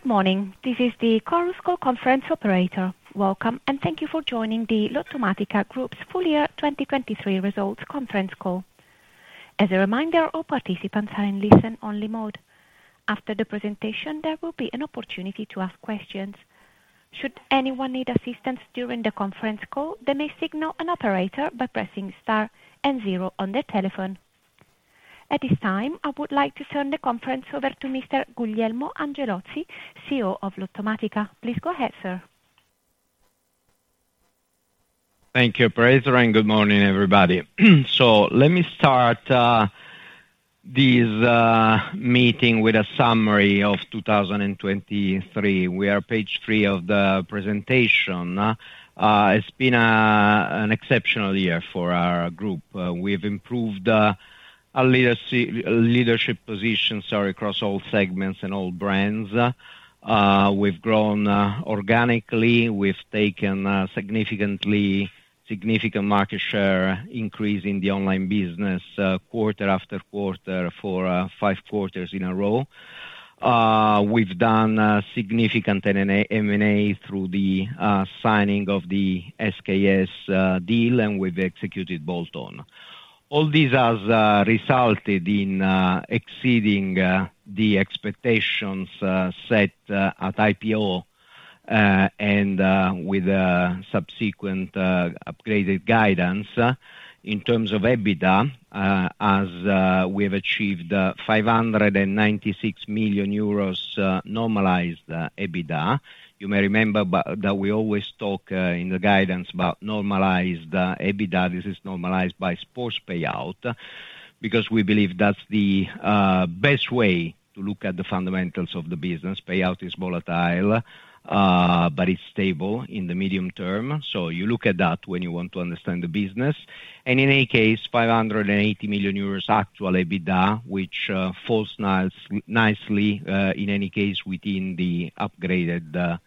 Good morning. This is the Chorus Call conference operator. Welcome, and thank you for joining the Lottomatica Group's full year 2023 results conference call. As a reminder, all participants are in listen-only mode. After the presentation, there will be an opportunity to ask questions. Should anyone need assistance during the conference call, they may signal an operator by pressing star and zero on their telephone. At this time, I would like to turn the conference over to Mr. Guglielmo Angelozzi, CEO of Lottomatica. Please go ahead, sir. Thank you, operator. Good morning, everybody. So let me start this meeting with a summary of 2023. We are page three of the presentation. It's been an exceptional year for our group. We've improved our leadership positions, sorry, across all segments and all brands. We've grown organically. We've taken significant market share increase in the online business, quarter after quarter for five quarters in a row. We've done significant M&A through the signing of the SKS deal, and we've executed bolt-on. All this has resulted in exceeding the expectations set at IPO and with subsequent upgraded guidance. In terms of EBITDA, as we have achieved 596 million euros normalized EBITDA. You may remember but that we always talk in the guidance about normalized EBITDA. This is normalized by sports payout because we believe that's the best way to look at the fundamentals of the business. Payout is volatile, but it's stable in the medium term. So you look at that when you want to understand the business. And in any case, 580 million euros actual EBITDA, which falls nicely, in any case, within the upgraded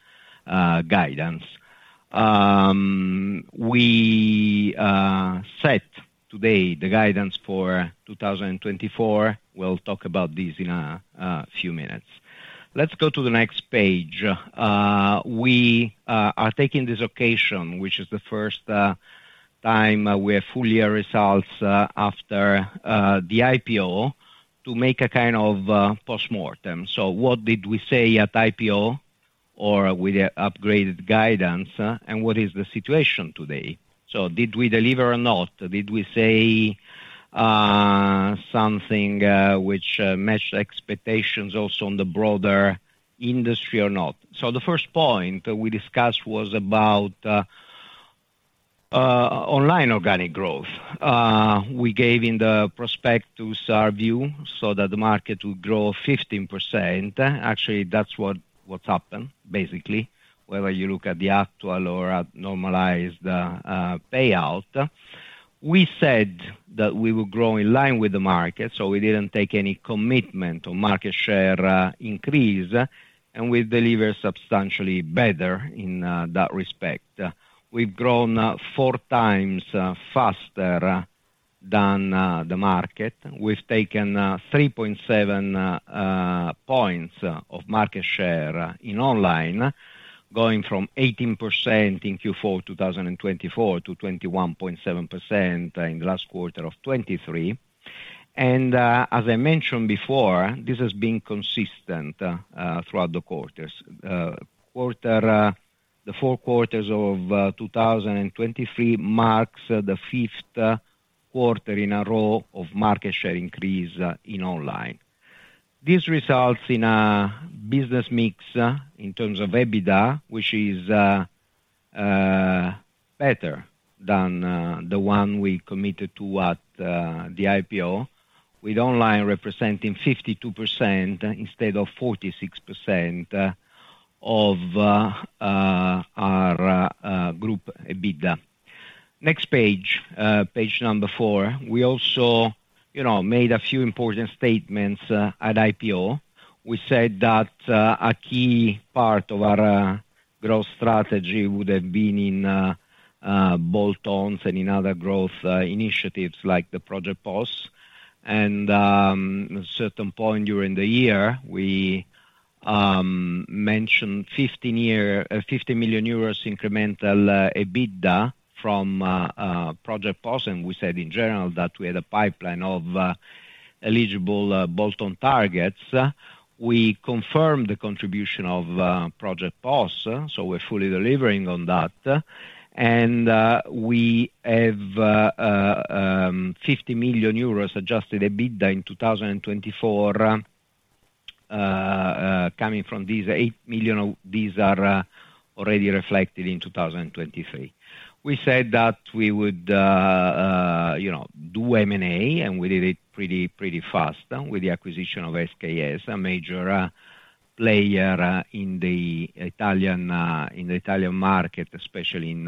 guidance. We set today the guidance for 2024. We'll talk about this in a few minutes. Let's go to the next page. We are taking this occasion, which is the first time we have full year results, after the IPO, to make a kind of postmortem. So what did we say at IPO or with the upgraded guidance, and what is the situation today? So did we deliver or not? Did we say something which matched expectations also on the broader industry or not? So the first point we discussed was about online organic growth. We gave in the prospectus our view so that the market would grow 15%. Actually, that's what's happened, basically, whether you look at the actual or at normalized payout. We said that we would grow in line with the market, so we didn't take any commitment on market share increase, and we deliver substantially better in that respect. We've grown 4x faster than the market. We've taken 3.7 points of market share in online, going from 18% in Q4 2024 to 21.7% in the last quarter of 2023. And, as I mentioned before, this has been consistent throughout the quarters. The four quarters of 2023 marks the fifth quarter in a row of market share increase in online. This results in a business mix in terms of EBITDA, which is better than the one we committed to at the IPO, with online representing 52% instead of 46% of our group EBITDA. Next page, page number 4, we also, you know, made a few important statements at IPO. We said that a key part of our growth strategy would have been in bolt-ons and in other growth initiatives like the Project POS. And at a certain point during the year, we mentioned 15-year 50 million euros incremental EBITDA from Project POS, and we said in general that we had a pipeline of eligible bolt-on targets. We confirmed the contribution of Project POS, so we're fully delivering on that. And we have 50 million euros adjusted EBITDA in 2024, coming from these. 8 million of these are already reflected in 2023. We said that we would, you know, do M&A, and we did it pretty, pretty fast with the acquisition of SKS, a major player in the Italian market, especially in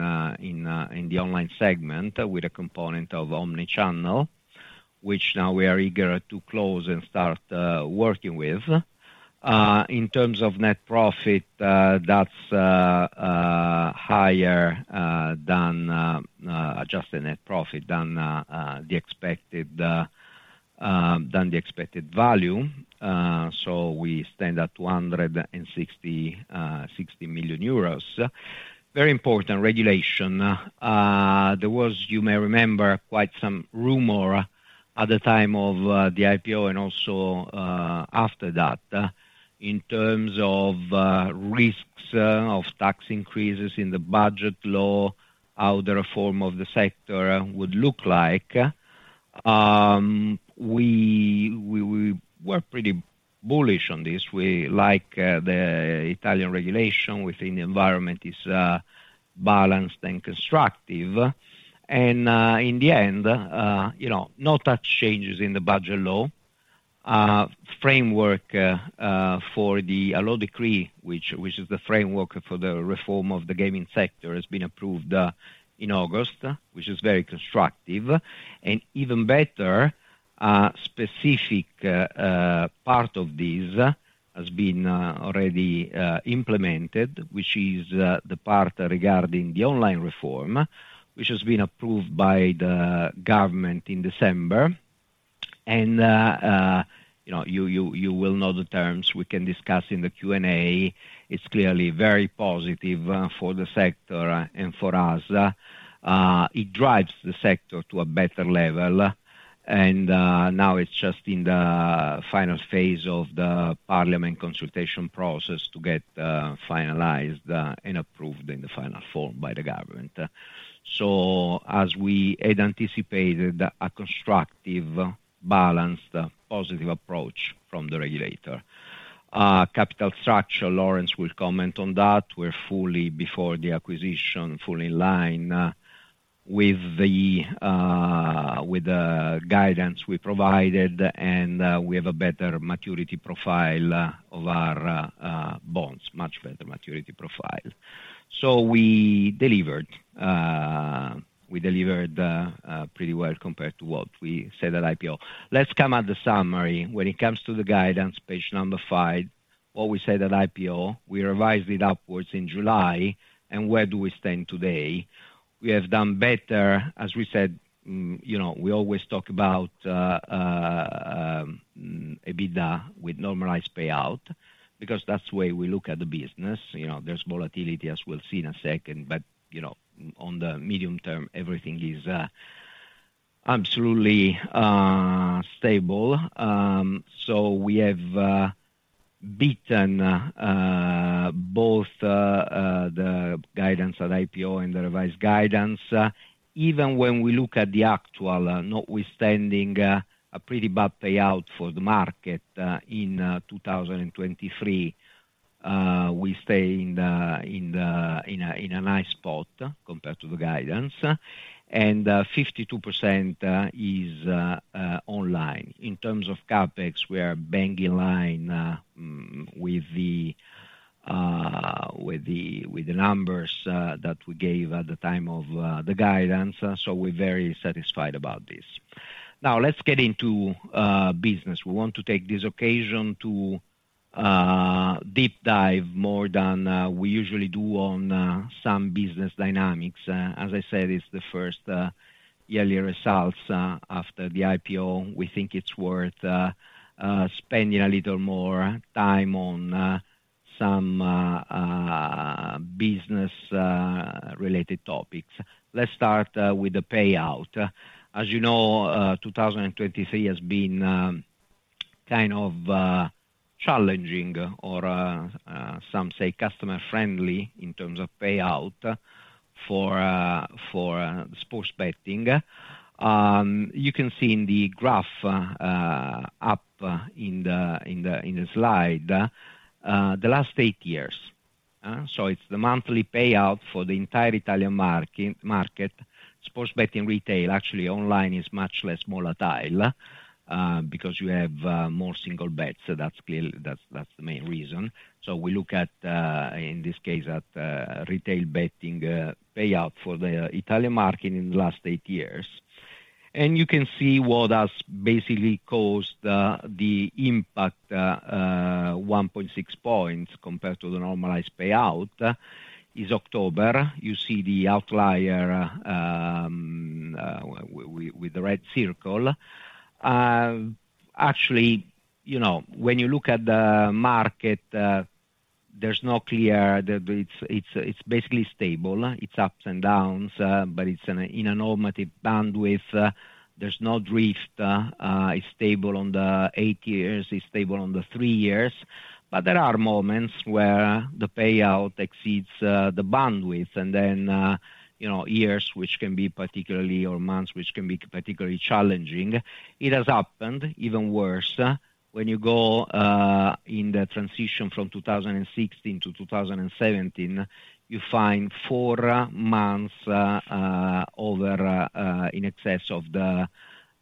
the online segment with a component of omnichannel, which now we are eager to close and start working with. In terms of net profit, that's higher than adjusted net profit than the expected than the expected value. So we stand at 260.6 million euros. Very important regulation. There was, you may remember, quite some rumor at the time of the IPO and also after that in terms of risks of tax increases in the budget law, how the reform of the sector would look like. We were pretty bullish on this. We like the Italian regulation within the environment is balanced and constructive. In the end, you know, no tax changes in the budget law framework for the law decree, which is the framework for the reform of the gaming sector, has been approved in August, which is very constructive. Even better, specific part of this has been already implemented, which is the part regarding the online reform, which has been approved by the government in December. And, you know, you will know the terms. We can discuss in the Q&A. It's clearly very positive for the sector and for us. It drives the sector to a better level. Now it's just in the final phase of the parliament consultation process to get finalized and approved in the final form by the government. So as we had anticipated, a constructive, balanced, positive approach from the regulator. Capital structure, Laurence will comment on that. We're fully before the acquisition, fully in line with the, with the guidance we provided, and we have a better maturity profile of our bonds, much better maturity profile. So we delivered, we delivered, pretty well compared to what we said at IPO. Let's come at the summary. When it comes to the guidance, page number 5, what we said at IPO, we revised it upwards in July. And where do we stand today? We have done better. As we said, you know, we always talk about EBITDA with normalized payout because that's the way we look at the business. You know, there's volatility, as we'll see in a second, but you know, on the medium term, everything is absolutely stable. So we have beaten both the guidance at IPO and the revised guidance. Even when we look at the actual, notwithstanding a pretty bad payout for the market in 2023, we stay in a nice spot compared to the guidance. And 52% is online. In terms of CAPEX, we are bang in line with the numbers that we gave at the time of the guidance. So we're very satisfied about this. Now, let's get into business. We want to take this occasion to deep dive more than we usually do on some business dynamics. As I said, it's the first yearly results after the IPO. We think it's worth spending a little more time on some business-related topics. Let's start with the payout. As you know, 2023 has been kind of challenging or, some say, customer-friendly in terms of payout for sports betting. You can see in the graph, up in the slide, the last eight years. So it's the monthly payout for the entire Italian market. Sports betting retail, actually, online is much less volatile, because you have more single bets. That's clear, that's the main reason. So we look at, in this case, retail betting payout for the Italian market in the last eight years. And you can see what has basically caused the impact, 1.6 points compared to the Normalized Payout is October. You see the outlier with the red circle. Actually, you know, when you look at the market, there's no clear that it's basically stable. It's ups and downs, but it's in a normative bandwidth. There's no drift. It's stable on the eight years. It's stable on the three years. But there are moments where the payout exceeds the bandwidth, and then, you know, years or months which can be particularly challenging. It has happened even worse. When you go in the transition from 2016 to 2017, you find four months over in excess of the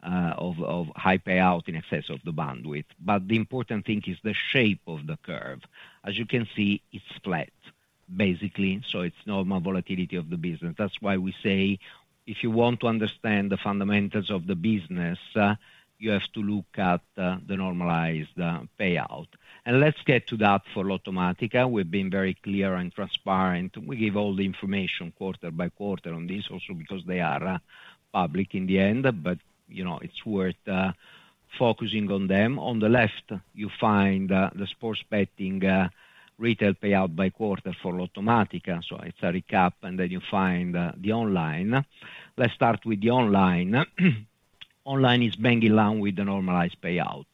high payout in excess of the bandwidth. But the important thing is the shape of the curve. As you can see, it's flat, basically, so it's normal volatility of the business. That's why we say if you want to understand the fundamentals of the business, you have to look at the normalized payout. And let's get to that for Lottomatica. We've been very clear and transparent. We gave all the information quarter by quarter on this also because they are public in the end, but, you know, it's worth focusing on them. On the left, you find the sports betting retail payout by quarter for Lottomatica. So it's a recap, and then you find the online. Let's start with the online. Online is bang in line with the normalized payout.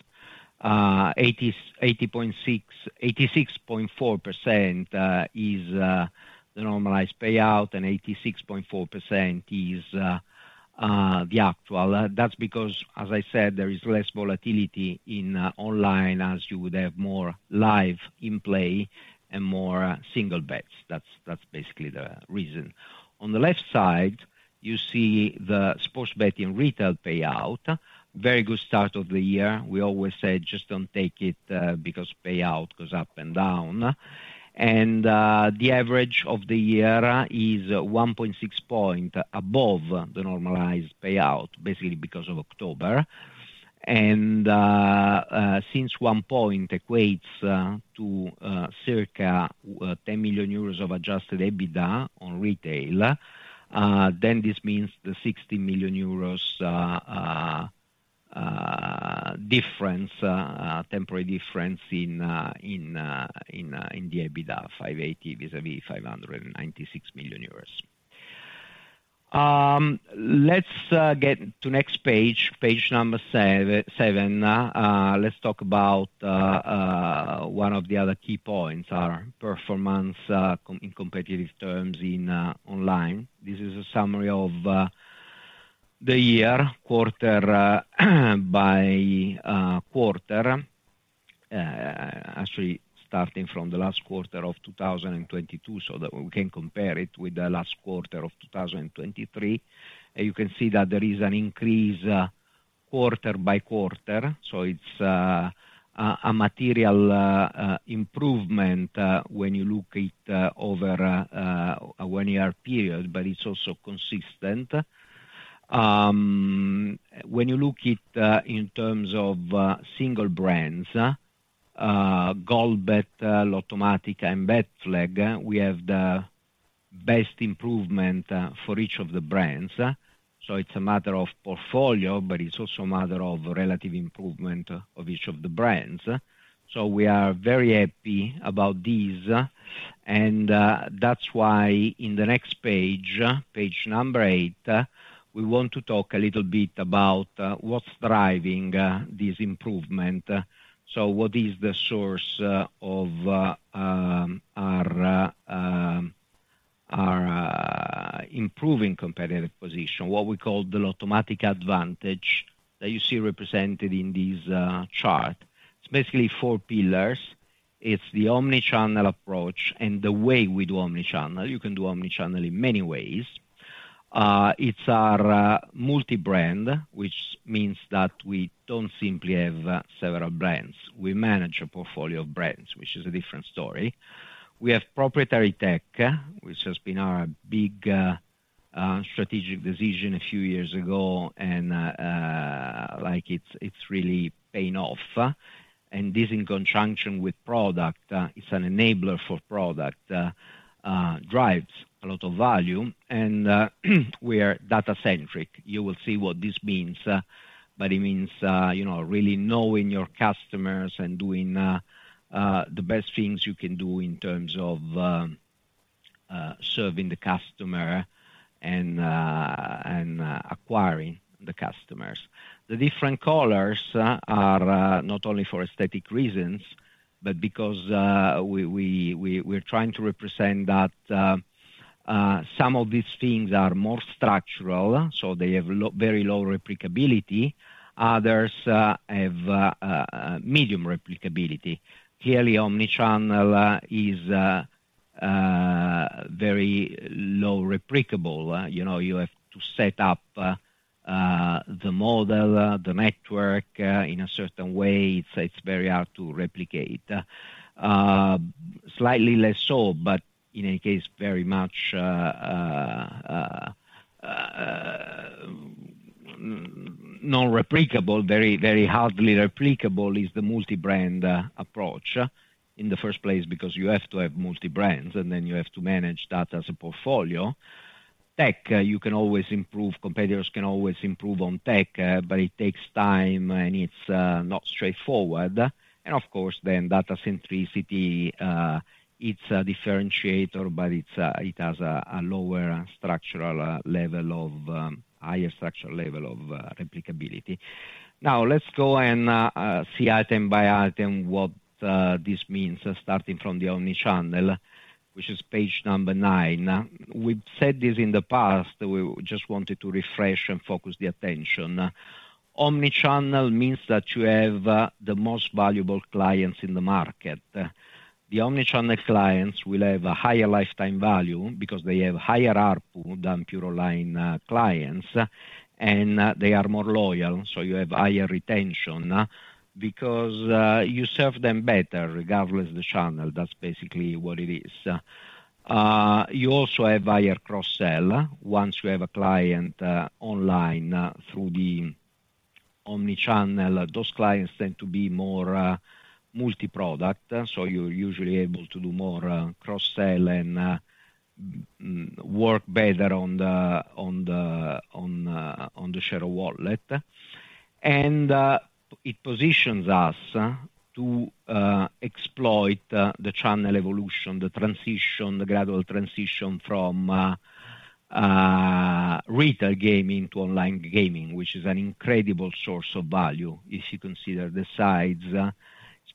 86.4% is the normalized payout, and 86.4% is the actual. That's because, as I said, there is less volatility in online as you would have more live in play and more single bets. That's basically the reason. On the left side, you see the sports betting retail payout. Very good start of the year. We always said, "Just don't take it, because payout goes up and down." The average of the year is 1.6 point above the normalized payout, basically because of October. Since one point equates to circa 10 million euros of adjusted EBITDA on retail, then this means the 60 million euros difference, temporary difference in the EBITDA 580 vis-à-vis 596 million euros. Let's get to the next page, page number seven. Let's talk about one of the other key points, our performance in competitive terms in online. This is a summary of the year, quarter by quarter, actually starting from the last quarter of 2022 so that we can compare it with the last quarter of 2023. And you can see that there is an increase, quarter by quarter. So it's a material improvement when you look at over a one-year period, but it's also consistent. When you look at in terms of single brands, Goldbet, Lottomatica, and BetFlag, we have the best improvement for each of the brands. So it's a matter of portfolio, but it's also a matter of relative improvement of each of the brands. So we are very happy about these. And that's why on the next page, page 8, we want to talk a little bit about what's driving this improvement. So what is the source of our improving competitive position, what we call the Lottomatica advantage that you see represented in this chart? It's basically four pillars. It's the omnichannel approach and the way we do omnichannel. You can do omnichannel in many ways. It's our multi-brand, which means that we don't simply have several brands. We manage a portfolio of brands, which is a different story. We have proprietary tech, which has been our big strategic decision a few years ago, and like, it's really paying off. This in conjunction with product, it's an enabler for product, drives a lot of value. We are data-centric. You will see what this means, but it means, you know, really knowing your customers and doing the best things you can do in terms of serving the customer and acquiring the customers. The different colors are not only for aesthetic reasons, but because we we're trying to represent that some of these things are more structural, so they have very low replicability. Others have medium replicability. Clearly, omnichannel is very low replicability. You know, you have to set up the model, the network, in a certain way. It's very hard to replicate. slightly less so, but in any case, very much non-replicable, very, very hardly replicable is the multi-brand approach in the first place because you have to have multi-brands, and then you have to manage that as a portfolio. Tech, you can always improve. Competitors can always improve on tech, but it takes time, and it's not straightforward. And of course, then data-centricity, it's a differentiator, but it's, it has a, a lower structural level of, higher structural level of, replicability. Now, let's go and see item by item what this means starting from the omnichannel, which is page number nine. We've said this in the past. We just wanted to refresh and focus the attention. Omnichannel means that you have the most valuable clients in the market. The omnichannel clients will have a higher lifetime value because they have higher ARPU than pure online clients, and they are more loyal. So you have higher retention because you serve them better regardless of the channel. That's basically what it is. You also have higher cross-sell. Once you have a client online through the omnichannel, those clients tend to be more multi-product. So you're usually able to do more cross-sell and work better on the shared wallet. And it positions us to exploit the channel evolution, the transition, the gradual transition from retail gaming to online gaming, which is an incredible source of value if you consider the size,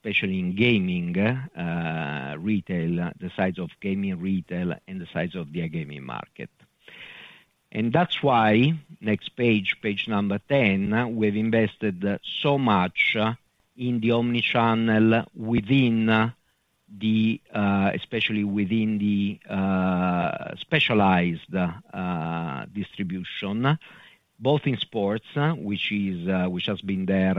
especially in gaming retail, the size of gaming retail and the size of the gaming market. And that's why next page, page 10, we have invested so much in the omnichannel within the especially within the specialized distribution, both in sports, which is which has been there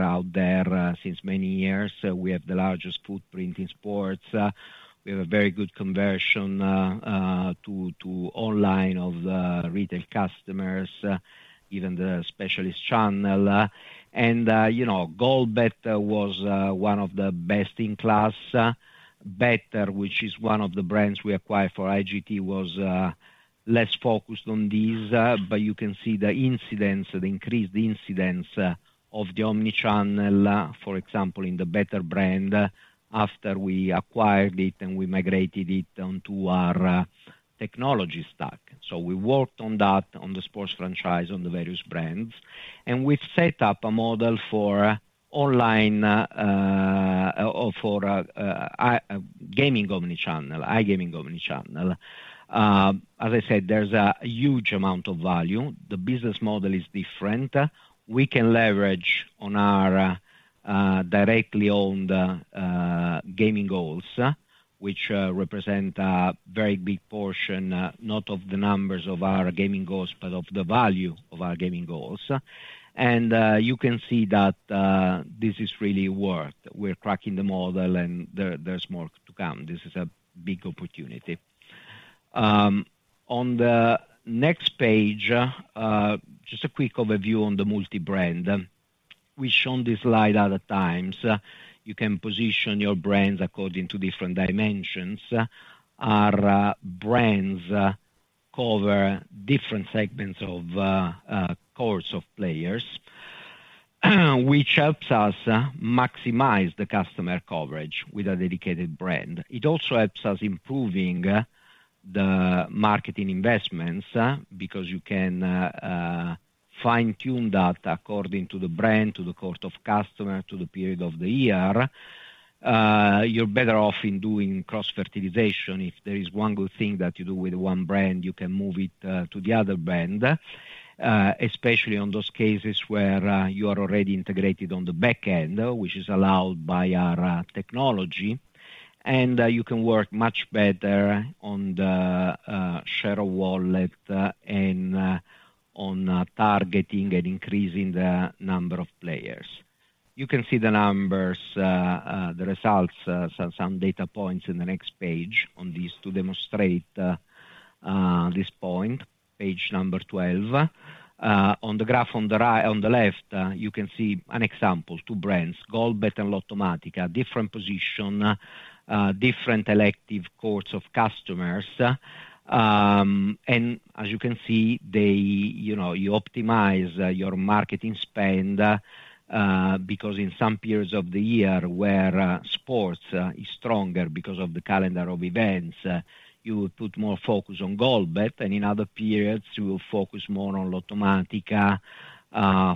since many years. We have the largest footprint in sports. We have a very good conversion to online of the retail customers, even the specialist channel. And, you know, Goldbet was one of the best-in-class. Better, which is one of the brands we acquired for IGT, was less focused on these, but you can see the incidence, the increased incidence of the omnichannel, for example, in the Better brand after we acquired it and we migrated it onto our technology stack. So we worked on that, on the sports franchise, on the various brands. And we've set up a model for online for gaming omnichannel, iGaming omnichannel. As I said, there's a huge amount of value. The business model is different. We can leverage on our directly owned gaming halls, which represent a very big portion, not of the numbers of our gaming halls, but of the value of our gaming halls. You can see that, this is really worked. We're cracking the model, and there, there's more to come. This is a big opportunity. On the next page, just a quick overview on the multi-brand. We've shown this slide other times. You can position your brands according to different dimensions. Our brands cover different segments of cores of players, which helps us maximize the customer coverage with a dedicated brand. It also helps us improving the marketing investments because you can fine-tune that according to the brand, to the cohort of customer, to the period of the year. You're better off in doing cross-fertilization. If there is one good thing that you do with one brand, you can move it to the other brand, especially on those cases where you are already integrated on the back end, which is allowed by our technology. You can work much better on the shared wallet and on targeting and increasing the number of players. You can see the numbers, the results, some data points in the next page on this to demonstrate this point, page number 12. On the graph, on the right, on the left, you can see an example, two brands, Goldbet and Lottomatica, different positions, different elective cohorts of customers. And as you can see, they, you know, you optimize your marketing spend, because in some periods of the year where sports is stronger because of the calendar of events, you put more focus on Goldbet, and in other periods, you will focus more on Lottomatica,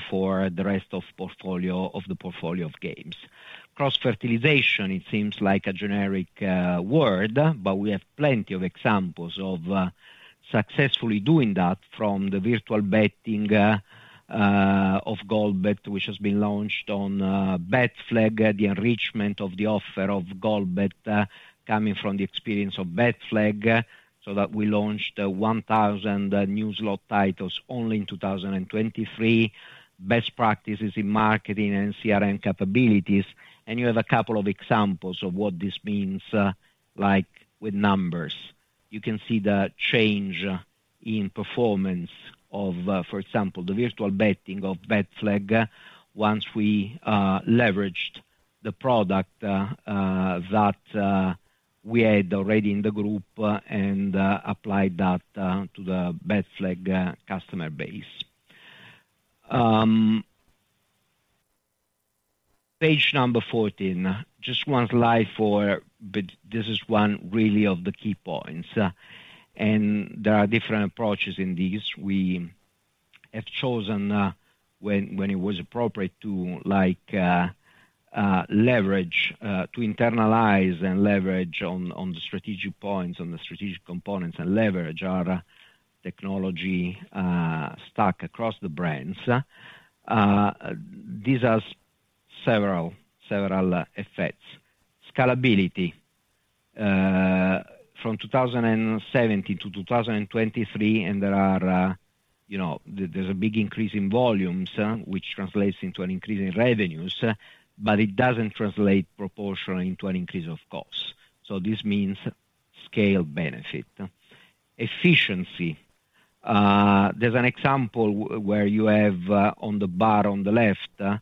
for the rest of the portfolio of the portfolio of games. Cross-fertilization, it seems like a generic word, but we have plenty of examples of successfully doing that from the virtual betting of Goldbet, which has been launched on BetFlag, the enrichment of the offer of Goldbet, coming from the experience of BetFlag. So that we launched 1,000 new slot titles only in 2023, best practices in marketing and CRM capabilities. And you have a couple of examples of what this means, like with numbers. You can see the change in performance of, for example, the virtual betting of BetFlag once we leveraged the product that we had already in the group and applied that to the BetFlag customer base. Page number 14, just one slide for but this is one really of the key points. And there are different approaches in these. We have chosen, when it was appropriate to, like, leverage to internalize and leverage on the strategic points, on the strategic components, and leverage our technology stack across the brands. This has several effects. Scalability, from 2017 to 2023, and there are, you know, there's a big increase in volumes, which translates into an increase in revenues, but it doesn't translate proportionally into an increase of cost. So this means scale benefit. Efficiency. There's an example where you have, on the bar on the left,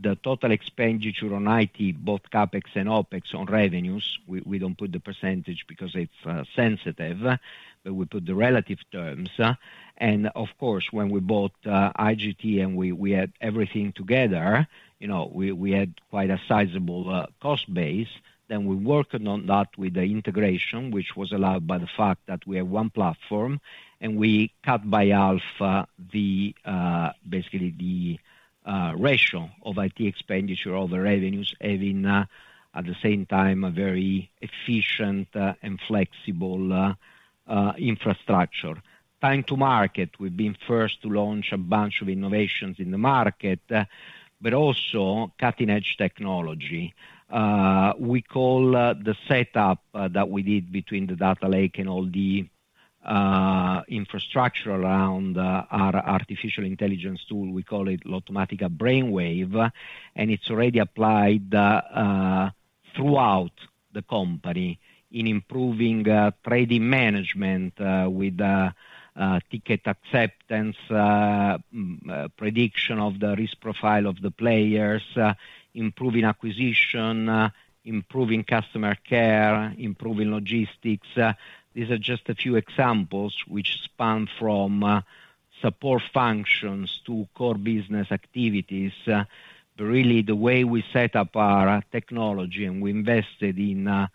the total expenditure on IT, both CapEx and OpEx on revenues. We don't put the percentage because it's sensitive, but we put the relative terms. Of course, when we bought IGT and we had everything together, you know, we had quite a sizable cost base, then we worked on that with the integration, which was allowed by the fact that we have one platform, and we cut by half basically the ratio of IT expenditure over revenues having at the same time a very efficient and flexible infrastructure. Time to market. We've been first to launch a bunch of innovations in the market, but also cutting-edge technology. We call the setup that we did between the data lake and all the infrastructure around our artificial intelligence tool Lottomatica Brainwave, and it's already applied throughout the company in improving trading management with ticket acceptance, prediction of the risk profile of the players, improving acquisition, improving customer care, improving logistics. These are just a few examples, which span from support functions to core business activities. But really, the way we set up our technology and we invested in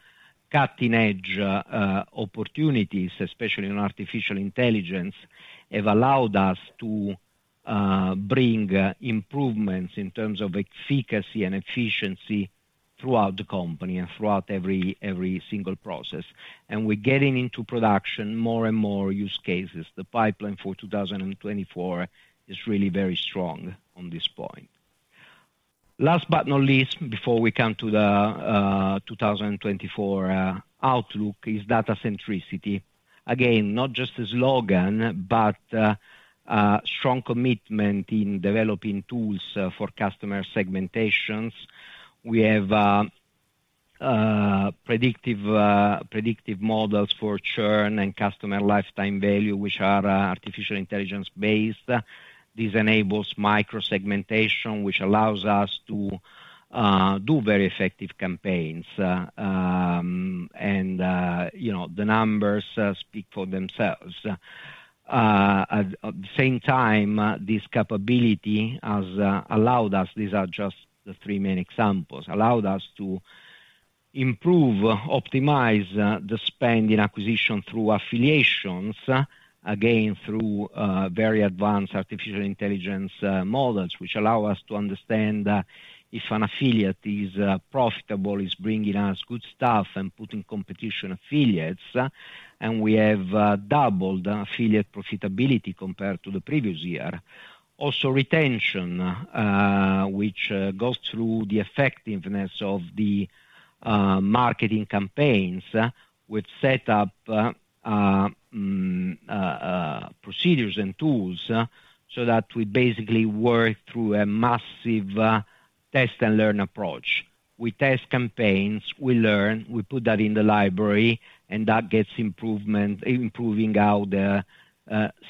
cutting-edge opportunities, especially in artificial intelligence, have allowed us to bring improvements in terms of efficacy and efficiency throughout the company and throughout every single process. And we're getting into production more and more use cases. The pipeline for 2024 is really very strong on this point. Last but not least, before we come to the 2024 outlook is data-centricity. Again, not just a slogan, but strong commitment in developing tools for customer segmentations. We have predictive models for churn and customer lifetime value, which are artificial intelligence-based. This enables microsegmentation, which allows us to do very effective campaigns. And, you know, the numbers speak for themselves. At the same time, this capability has allowed us—these are just the three main examples—allowed us to improve, optimize the spend in acquisition through affiliations, again, through very advanced artificial intelligence models, which allow us to understand if an affiliate is profitable, is bringing us good stuff and putting competition affiliates. And we have doubled affiliate profitability compared to the previous year. Also, retention, which goes through the effectiveness of the marketing campaigns. We've set up procedures and tools so that we basically work through a massive test-and-learn approach. We test campaigns. We learn. We put that in the library, and that gets improvement, improving how the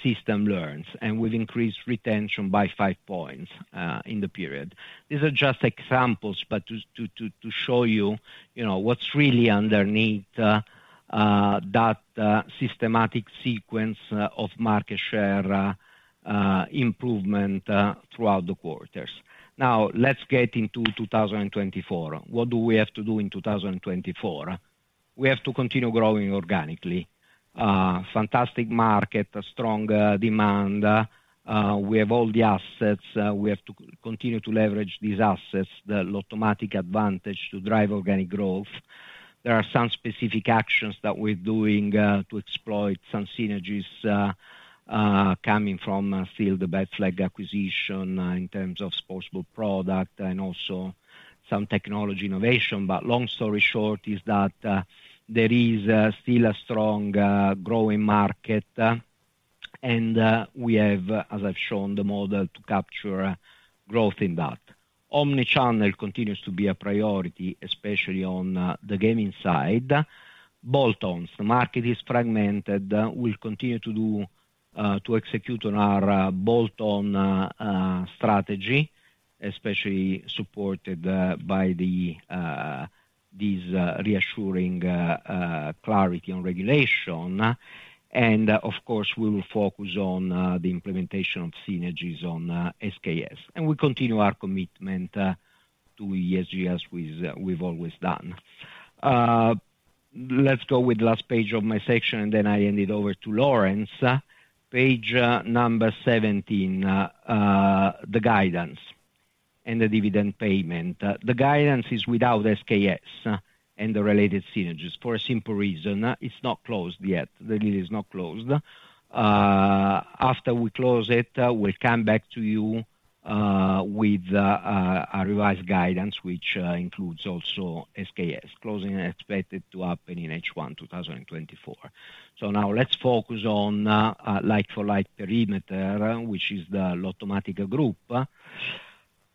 system learns. And we've increased retention by five points in the period. These are just examples, but to show you, you know, what's really underneath that systematic sequence of market share improvement throughout the quarters. Now, let's get into 2024. What do we have to do in 2024? We have to continue growing organically. Fantastic market, strong demand. We have all the assets. We have to continue to leverage these assets, the Lottomatica advantage to drive organic growth. There are some specific actions that we're doing, to exploit some synergies, coming from still the BetFlag acquisition in terms of sourceable product and also some technology innovation. But long story short is that, there is, still a strong, growing market, and, we have, as I've shown, the model to capture, growth in that. Omnichannel continues to be a priority, especially on, the gaming side. Bolt-ons. The market is fragmented. We'll continue to do, to execute on our, bolt-on, strategy, especially supported, by the, these, reassuring, clarity on regulation. And of course, we will focus on, the implementation of synergies on, SKS. We continue our commitment to ESG as we've always done. Let's go with the last page of my section, and then I hand it over to Laurence. Page number 17, the guidance and the dividend payment. The guidance is without SKS and the related synergies for a simple reason. It's not closed yet. The deal is not closed. After we close it, we'll come back to you with a revised guidance, which includes also SKS. Closing is expected to happen in H1 2024. So now, let's focus on like-for-like perimeter, which is the Lottomatica Group.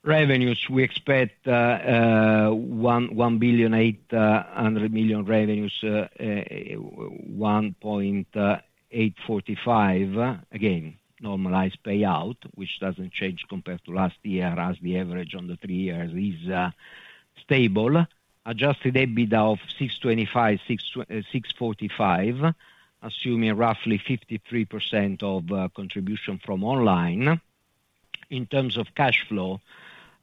Revenues, we expect 1.845 billion. Again, normalized payout, which doesn't change compared to last year, as the average on the three years is stable. Adjusted EBITDA of 625 million-645 million, assuming roughly 53% of contribution from online. In terms of cash flow,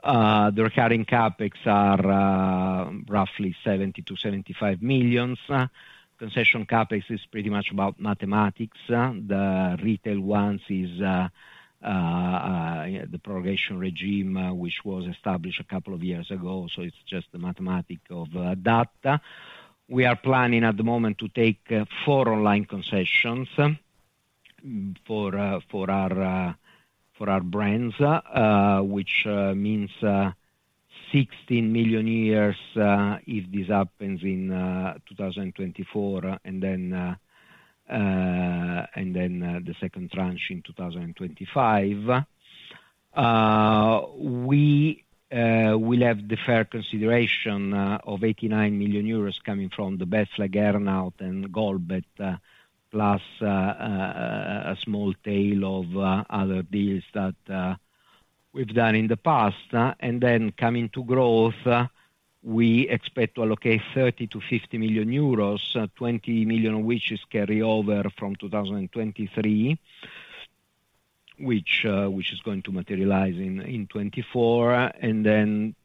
the recurring CapEx are roughly 70 million-75 million. Concession CapEx is pretty much about mathematics. The retail ones is the prorogation regime, which was established a couple of years ago. So it's just the mathematics of that. We are planning at the moment to take four online concessions for our brands, which means 16 million, if this happens in 2024 and then the second tranche in 2025. We will have the fair consideration of 89 million euros coming from the BetFlag earnout and Goldbet, plus a small tail of other deals that we've done in the past. And then coming to growth, we expect to allocate 30 million-50 million euros, 20 million of which is carryover from 2023, which is going to materialize in 2024, and then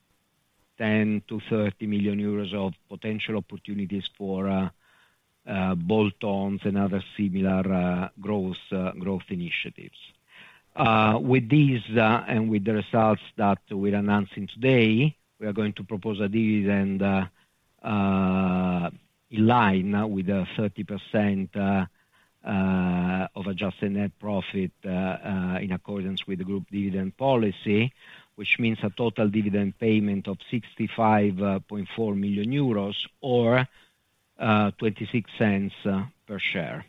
10 million-30 million euros of potential opportunities for bolt-ons and other similar growth initiatives. with these, and with the results that we're announcing today, we are going to propose a dividend, in line with 30% of adjusted net profit, in accordance with the group dividend policy, which means a total dividend payment of 65.4 million euros or 0.26 per share.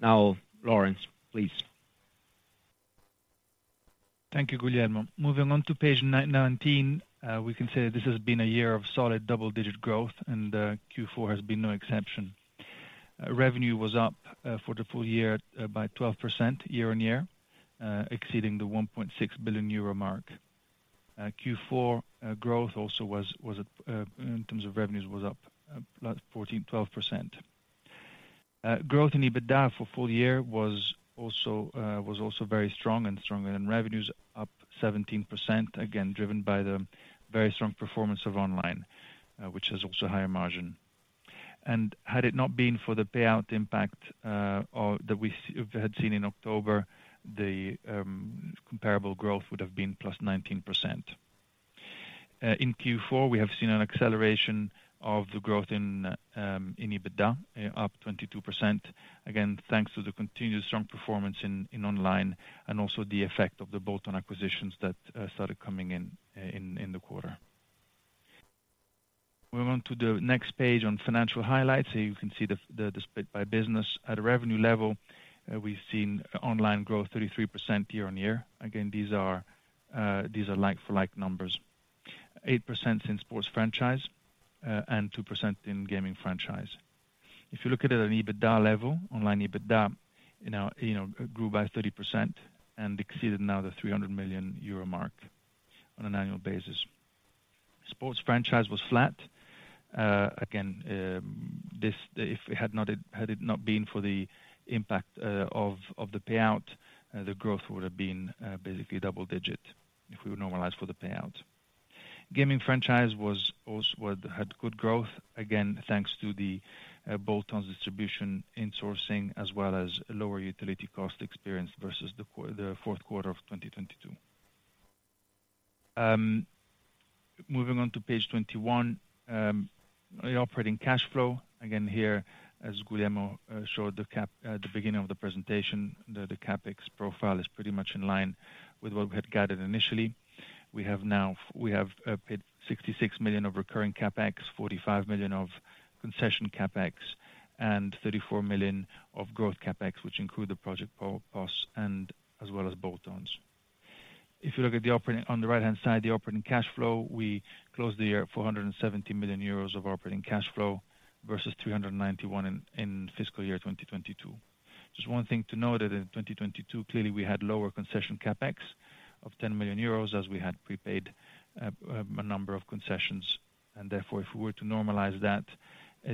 Now, Laurence, please. Thank you, Guglielmo. Moving on to page 19, we can say that this has been a year of solid double-digit growth, and Q4 has been no exception. Revenue was up, for the full year, by 12% year-on-year, exceeding the 1.6 billion euro mark. Q4 growth also was, in terms of revenues, up 12%. Growth in EBITDA for full year was also very strong and stronger, and revenues up 17%, again, driven by the very strong performance of online, which has also higher margin. Had it not been for the payout impact, or that we had seen in October, the comparable growth would have been +19%. In Q4, we have seen an acceleration of the growth in, in EBITDA, up 22%, again, thanks to the continued strong performance in, in online and also the effect of the bolt-on acquisitions that, started coming in, in, in the quarter. Moving on to the next page on financial highlights, so you can see the, the, the split by business. At a revenue level, we've seen online growth 33% year-on-year. Again, these are, these are like-for-like numbers. 8% in sports franchise, and 2% in gaming franchise. If you look at it at an EBITDA level, online EBITDA, you know, you know, grew by 30% and exceeded now the 300 million euro mark on an annual basis. Sports franchise was flat. Again, this, if it had not been for the impact of the payout, the growth would have been basically double-digit if we would normalize for the payout. Gaming franchise was also had good growth, again, thanks to the bolt-ons distribution, insourcing, as well as lower utility cost experience versus the fourth quarter of 2022. Moving on to page 21, the operating cash flow. Again, here, as Guglielmo showed at the beginning of the presentation, the CapEx profile is pretty much in line with what we had guided initially. We have now paid 66 million of recurring CapEx, 45 million of concession CapEx, and 34 million of growth CapEx, which include the Project POS and as well as bolt-ons. If you look at the operating on the right-hand side, the operating cash flow, we closed the year at 470 million euros of operating cash flow versus 391 in fiscal year 2022. Just one thing to note is that in 2022, clearly, we had lower concession CapEx of 10 million euros as we had prepaid a number of concessions. And therefore, if we were to normalize that,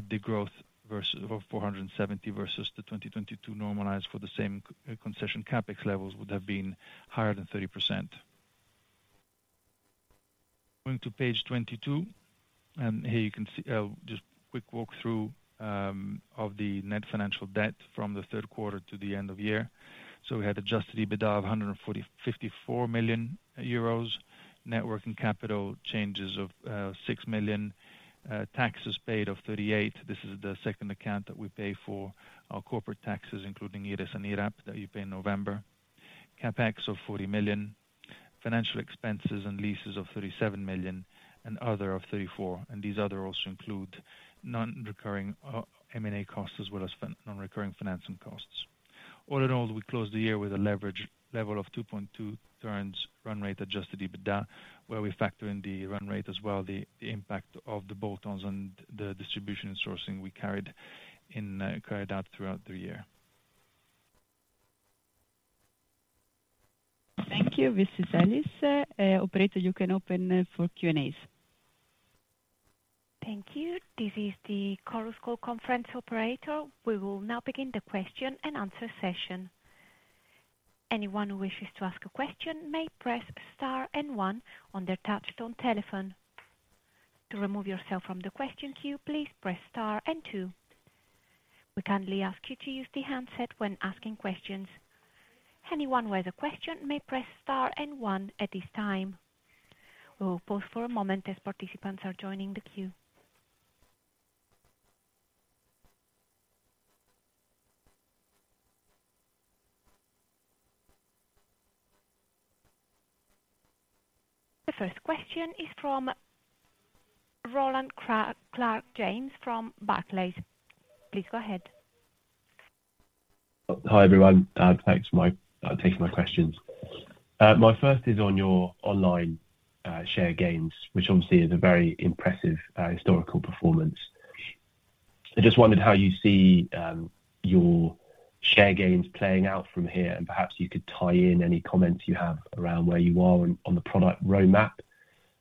the growth versus of 470 versus the 2022 normalized for the same concession CapEx levels would have been higher than 30%. Moving to page 22, and here you can see a just quick walkthrough of the net financial debt from the third quarter to the end of year. So we had adjusted EBITDA of 1,454 million euros, net working capital changes of 6 million, taxes paid of 38 million. This is the second account that we pay for, our corporate taxes, including IRES and IRAP that you pay in November. CapEx of 40 million, financial expenses and leases of 37 million, and other of 34 million. These other also include non-recurring, M&A costs as well as non-recurring financing costs. All in all, we closed the year with a leverage level of 2.2. Returns run rate Adjusted EBITDA, where we factor in the run rate as well, the impact of the bolt-ons and the distribution insourcing we carried out throughout the year. Thank you. This is Alice, operator. You can open for Q&As. Thank you. This is the Chorus Call conference operator. We will now begin the question and answer session. Anyone who wishes to ask a question may press star and one on their touch-tone telephone. To remove yourself from the question queue, please press star and two. We kindly ask you to use the handset when asking questions. Anyone with a question may press star and one at this time. We will pause for a moment as participants are joining the queue. The first question is from Rowland Clark, James from Barclays. Please go ahead. Hi, everyone. Thanks for taking my questions. My first is on your online share gains, which obviously is a very impressive historical performance. I just wondered how you see your share gains playing out from here, and perhaps you could tie in any comments you have around where you are on the product roadmap.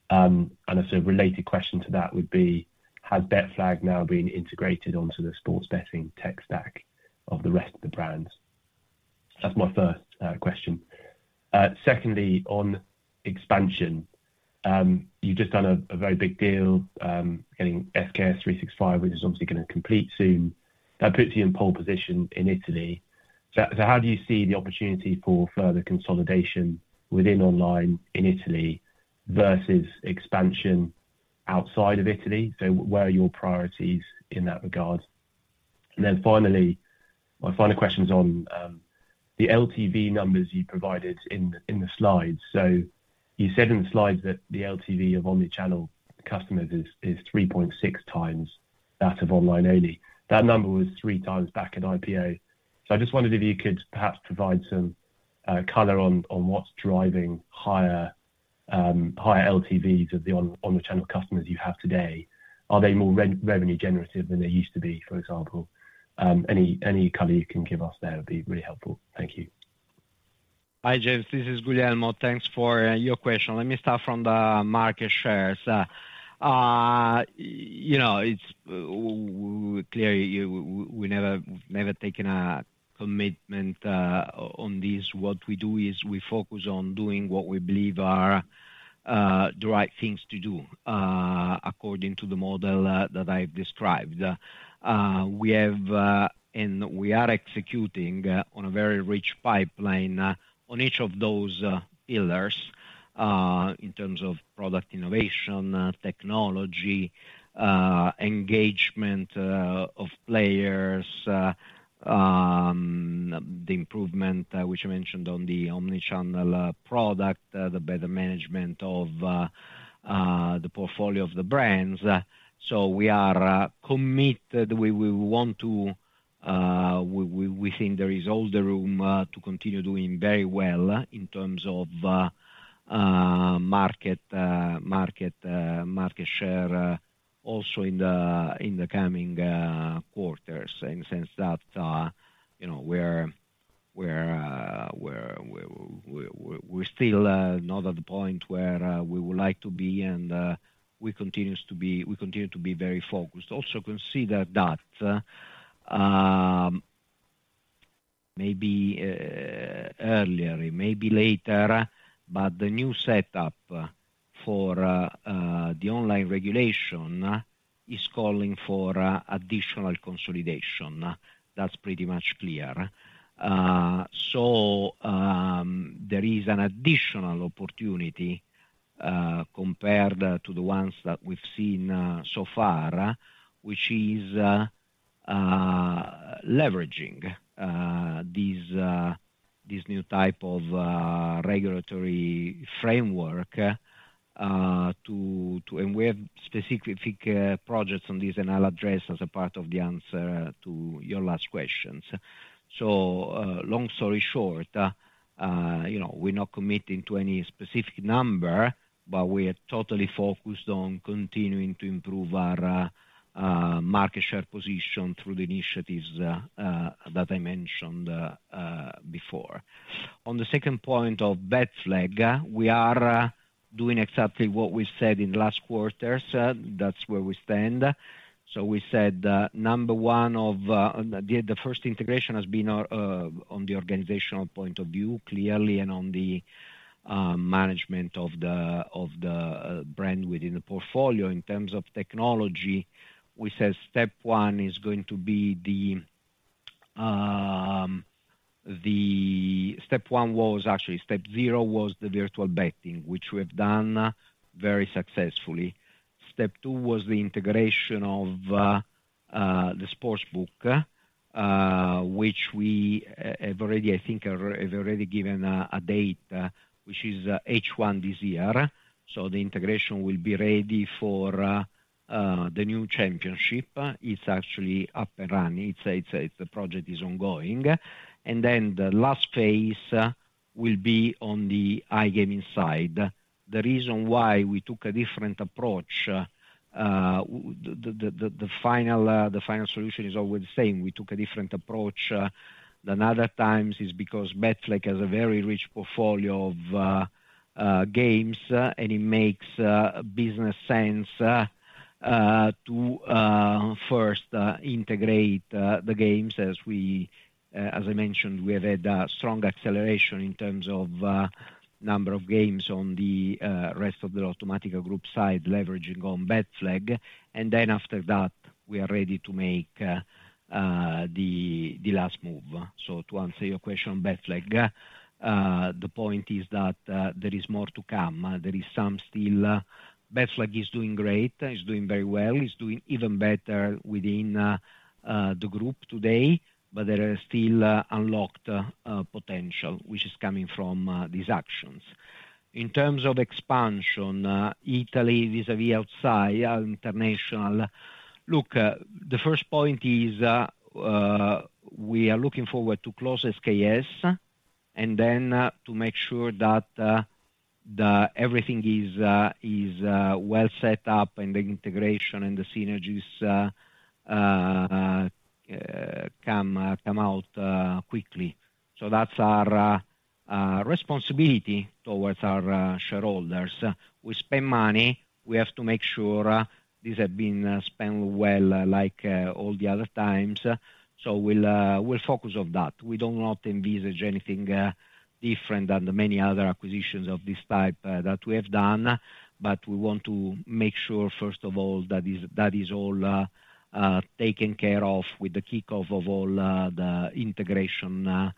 And a sort of related question to that would be, has BetFlag now been integrated onto the sports betting tech stack of the rest of the brands? That's my first question. Secondly, on expansion, you've just done a very big deal, getting SKS365, which is obviously going to complete soon. That puts you in pole position in Italy. So how do you see the opportunity for further consolidation within online in Italy versus expansion outside of Italy? So where are your priorities in that regard? Finally, my final question is on the LTV numbers you provided in the slides. You said in the slides that the LTV of omnichannel customers is 3.6x that of online only. That number was 3x back at IPO. I just wondered if you could perhaps provide some color on what's driving higher LTVs of the omnichannel customers you have today. Are they more revenue-generative than they used to be, for example? Any color you can give us there would be really helpful. Thank you. Hi, James. This is Guglielmo. Thanks for your question. Let me start from the market shares. You know, it's clear you we never, never taken a commitment, on this. What we do is we focus on doing what we believe are, the right things to do, according to the model, that I've described. We have, and we are executing on a very rich pipeline, on each of those, pillars, in terms of product innovation, technology, engagement, of players, the improvement, which I mentioned on the omnichannel, product, the better management of, the portfolio of the brands. So we are, committed. We want to, we think there is all the room to continue doing very well in terms of market share, also in the coming quarters in the sense that, you know, we're still not at the point where we would like to be, and we continue to be very focused. Also consider that, maybe earlier, maybe later, but the new setup for the online regulation is calling for additional consolidation. That's pretty much clear. So, there is an additional opportunity, compared to the ones that we've seen so far, which is leveraging this new type of regulatory framework to, and we have specific projects on this, and I'll address as a part of the answer to your last questions. So, long story short, you know, we're not committing to any specific number, but we are totally focused on continuing to improve our market share position through the initiatives that I mentioned before. On the second point of BetFlag, we are doing exactly what we said in the last quarters. That's where we stand. So we said, number one, the first integration has been on the organizational point of view, clearly, and on the management of the brand within the portfolio. In terms of technology, we said step one is going to be the step one was actually step zero was the virtual betting, which we have done very successfully. Step two was the integration of the sports book, which we have already, I think, given a date, which is H1 this year. So the integration will be ready for the new championship. It's actually up and running. It's the project is ongoing. And then the last phase will be on the iGaming side. The reason why we took a different approach, the final solution is always the same. We took a different approach than other times is because BetFlag has a very rich portfolio of games, and it makes business sense to first integrate the games as I mentioned. We have had a strong acceleration in terms of number of games on the rest of the Lottomatica Group side leveraging on BetFlag. And then after that, we are ready to make the last move. So to answer your question on BetFlag, the point is that there is more to come. There is some still BetFlag is doing great. It's doing very well. It's doing even better within the group today, but there is still unlocked potential, which is coming from these actions. In terms of expansion, Italy vis-à-vis outside international, look, the first point is we are looking forward to close SKS and then to make sure that everything is well set up and the integration and the synergies come out quickly. So that's our responsibility towards our shareholders. We spend money. We have to make sure these have been spent well like all the other times. So we'll focus on that. We do not envisage anything different than the many other acquisitions of this type that we have done, but we want to make sure, first of all, that is all taken care of with the kickoff of all the integration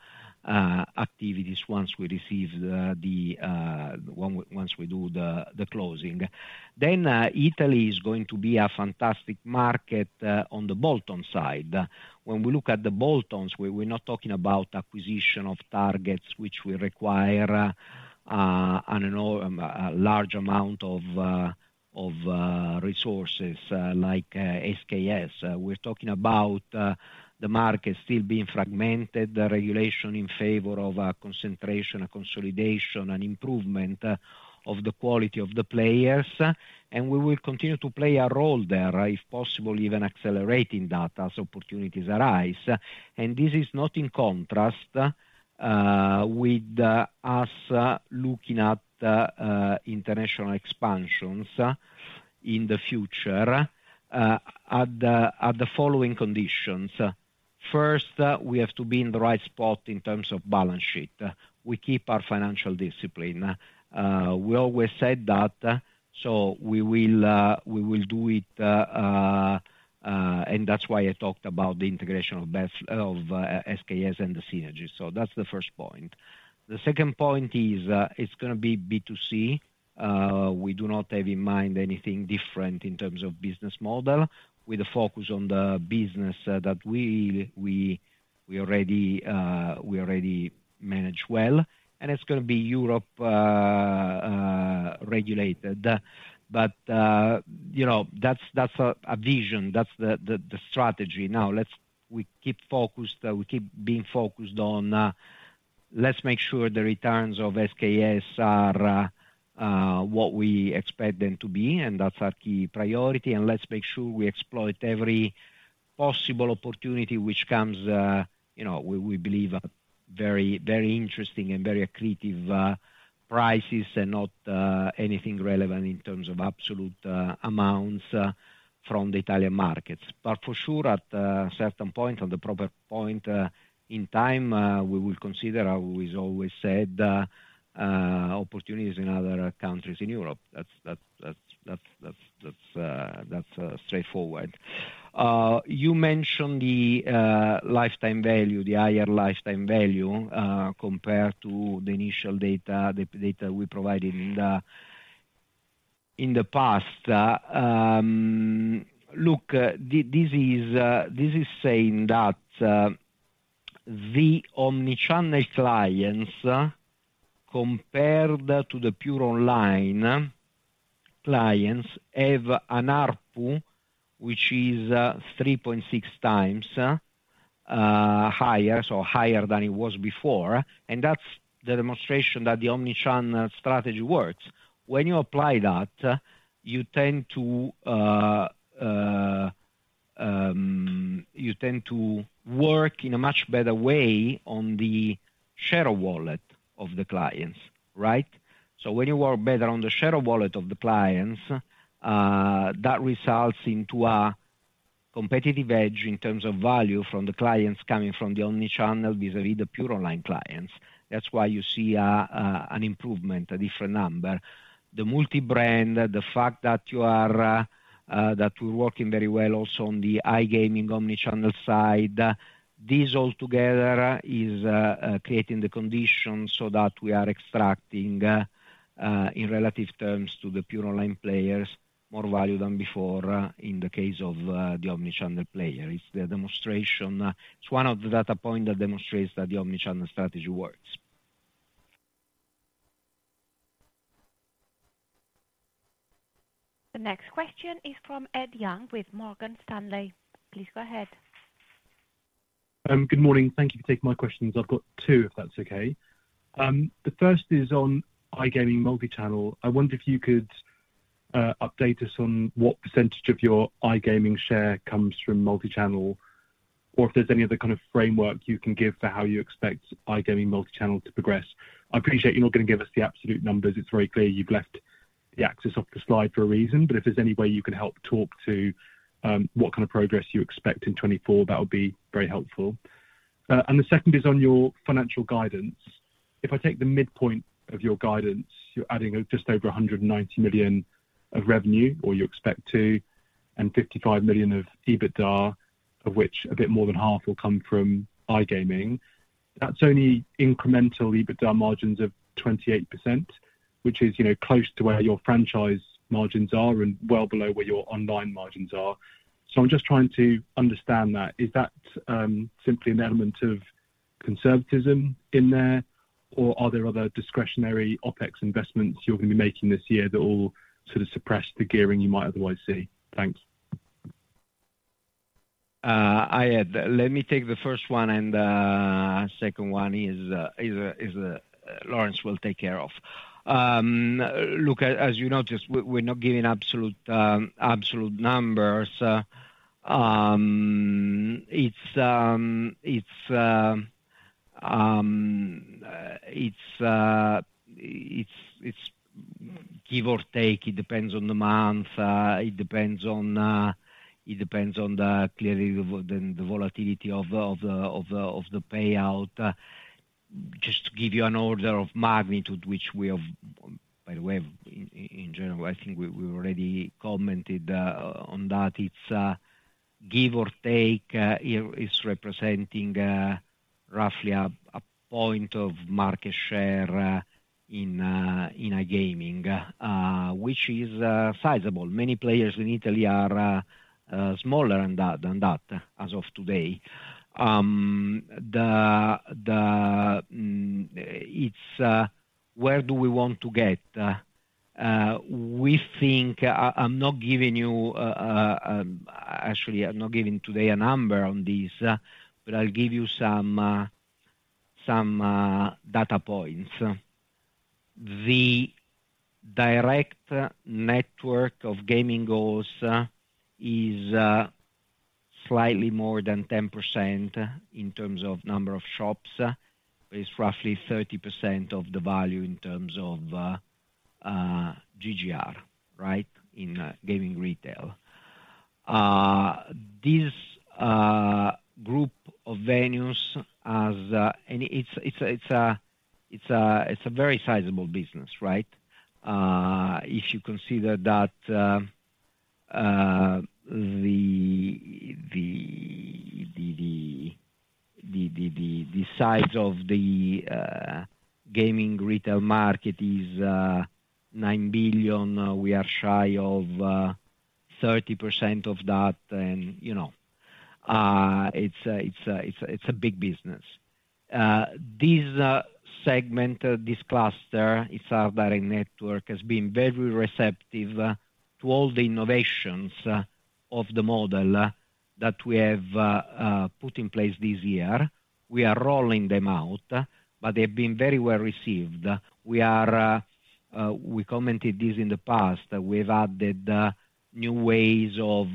activities once we receive the, once we do the closing. Then, Italy is going to be a fantastic market on the bolt-on side. When we look at the bolt-ons, we're not talking about acquisition of targets which will require an enormous large amount of resources like SKS. We're talking about the market still being fragmented, the regulation in favor of concentration, a consolidation, an improvement of the quality of the players. And we will continue to play a role there, if possible, even accelerating that as opportunities arise. And this is not in contrast with us looking at international expansions in the future at the following conditions. First, we have to be in the right spot in terms of balance sheet. We keep our financial discipline. We always said that. So we will do it, and that's why I talked about the integration of BetFlag of SKS and the synergies. So that's the first point. The second point is it's going to be B2C. We do not have in mind anything different in terms of business model with a focus on the business that we already manage well. And it's going to be Europe, regulated. But, you know, that's a vision. That's the strategy. Now, let's keep focused. We keep being focused on, let's make sure the returns of SKS are what we expect them to be. And that's our key priority. And let's make sure we exploit every possible opportunity which comes, you know, we believe a very, very interesting and very accretive price and not anything relevant in terms of absolute amounts from the Italian markets. But for sure, at a certain point, at the proper point in time, we will consider, as we always said, opportunities in other countries in Europe. That's straightforward. You mentioned the lifetime value, the higher lifetime value compared to the initial data, the data we provided in the past. Look, this is saying that the omnichannel clients compared to the pure online clients have an ARPU which is 3.6x higher, so higher than it was before. And that's the demonstration that the omnichannel strategy works. When you apply that, you tend to work in a much better way on the share of wallet of the clients, right? So when you work better on the share of wallet of the clients, that results into a competitive edge in terms of value from the clients coming from the omnichannel vis-à-vis the pure online clients. That's why you see an improvement, a different number. The multi-brand, the fact that you are, that we're working very well also on the iGaming Omnichannel side, these altogether is, creating the conditions so that we are extracting, in relative terms to the pure online players, more value than before in the case of, the Omnichannel player. It's the demonstration it's one of the data points that demonstrates that the Omnichannel strategy works. The next question is from Ed Young with Morgan Stanley. Please go ahead. Good morning. Thank you for taking my questions. I've got two, if that's okay. The first is on iGaming multichannel. I wonder if you could update us on what percentage of your iGaming share comes from multichannel or if there's any other kind of framework you can give for how you expect iGaming multichannel to progress. I appreciate you're not going to give us the absolute numbers. It's very clear you've left the axis off the slide for a reason. But if there's any way you can help talk to what kind of progress you expect in 2024, that would be very helpful. And the second is on your financial guidance. If I take the midpoint of your guidance, you're adding just over 190 million of revenue or you expect to, and 55 million of EBITDA, of which a bit more than half will come from iGaming. That's only incremental EBITDA margins of 28%, which is, you know, close to where your franchise margins are and well below where your online margins are. So I'm just trying to understand that. Is that, simply an element of conservatism in there, or are there other discretionary OPEX investments you're going to be making this year that will sort of suppress the gearing you might otherwise see? Thanks. Yeah. Let me take the first one. The second one is Laurence will take care of. Look, as you noticed, we're not giving absolute numbers. It's give or take. It depends on the month. It depends on clearly the volatility of the payout. Just to give you an order of magnitude, which we have by the way, in general, I think we already commented on that. It's give or take. It's representing roughly a point of market share in iGaming, which is sizable. Many players in Italy are smaller than that as of today. It's where do we want to get? We think I'm not giving you, actually, I'm not giving today a number on this, but I'll give you some data points. The direct network of gaming halls is slightly more than 10% in terms of number of shops, but it's roughly 30% of the value in terms of GGR, right, in gaming retail. This group of venues has, and it's a very sizable business, right, if you consider that the size of the gaming retail market is 9 billion. We are shy of 30% of that. You know, it's a big business. This segment, this cluster, it's our direct network, has been very receptive to all the innovations of the model that we have put in place this year. We are rolling them out, but they have been very well received. We commented this in the past. We have added new ways of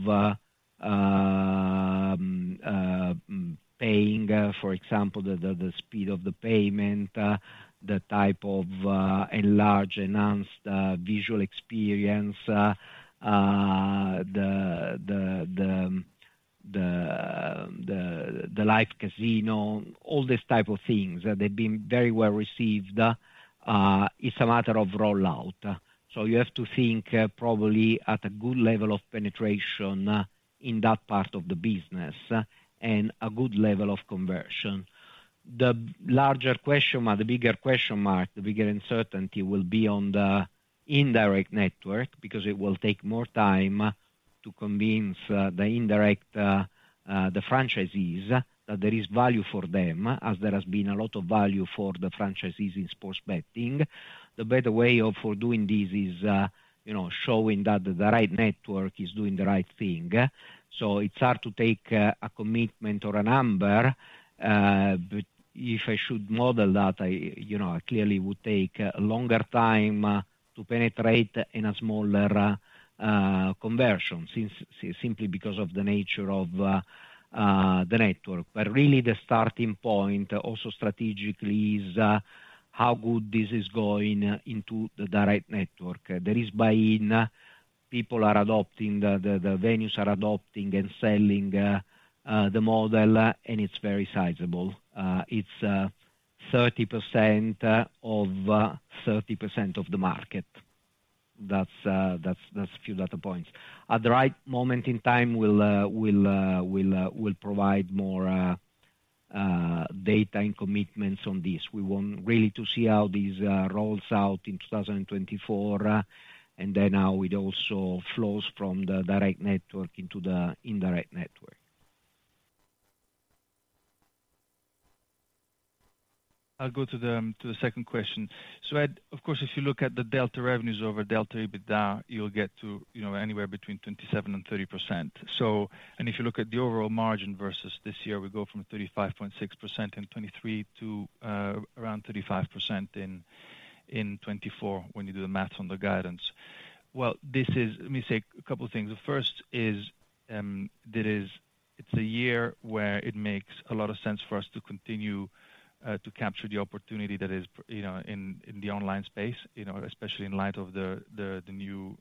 paying, for example, the speed of the payment, the type of enlarged, enhanced, visual experience, the live casino, all these type of things that have been very well received. It's a matter of rollout. So you have to think probably at a good level of penetration in that part of the business and a good level of conversion. The larger question mark, the bigger question mark, the bigger uncertainty will be on the indirect network because it will take more time to convince the indirect franchisees that there is value for them as there has been a lot of value for the franchisees in sports betting. The better way for doing this is, you know, showing that the right network is doing the right thing. So it's hard to take a commitment or a number. But if I should model that, you know, I clearly would take a longer time to penetrate in a smaller conversion simply because of the nature of the network. But really, the starting point also strategically is how good this is going into the direct network. There is buy-in. People are adopting the venues are adopting and selling the model. And it's very sizable. It's 30% of 30% of the market. That's a few data points. At the right moment in time, we'll provide more data and commitments on this. We want really to see how this rolls out in 2024 and then how it also flows from the direct network into the indirect network. I'll go to the second question. So Ed, of course, if you look at the delta revenues over delta EBITDA, you'll get to, you know, anywhere between 27%-30%. So, if you look at the overall margin versus this year, we go from 35.6% in 2023 to around 35% in 2024 when you do the math on the guidance. Well, this is, let me say a couple of things. The first is that it's a year where it makes a lot of sense for us to continue to capture the opportunity that is, you know, in the online space, you know, especially in light of the new,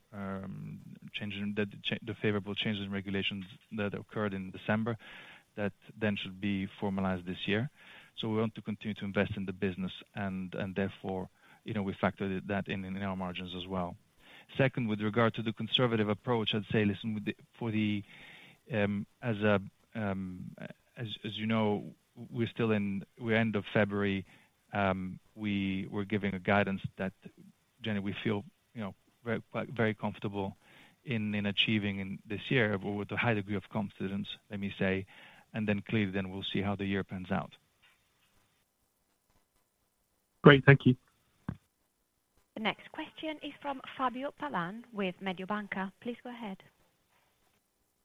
favorable changes in regulations that occurred in December that then should be formalized this year. So we want to continue to invest in the business. And therefore, you know, we factored that in our margins as well. Second, with regard to the conservative approach, I'd say, listen, as you know, we're still in end of February. We're giving a guidance that, generally, we feel, you know, very, very comfortable in achieving this year with a high degree of confidence, let me say. And then clearly, we'll see how the year pans out. Great. Thank you. The next question is from Fabio Pavan with Mediobanca. Please go ahead.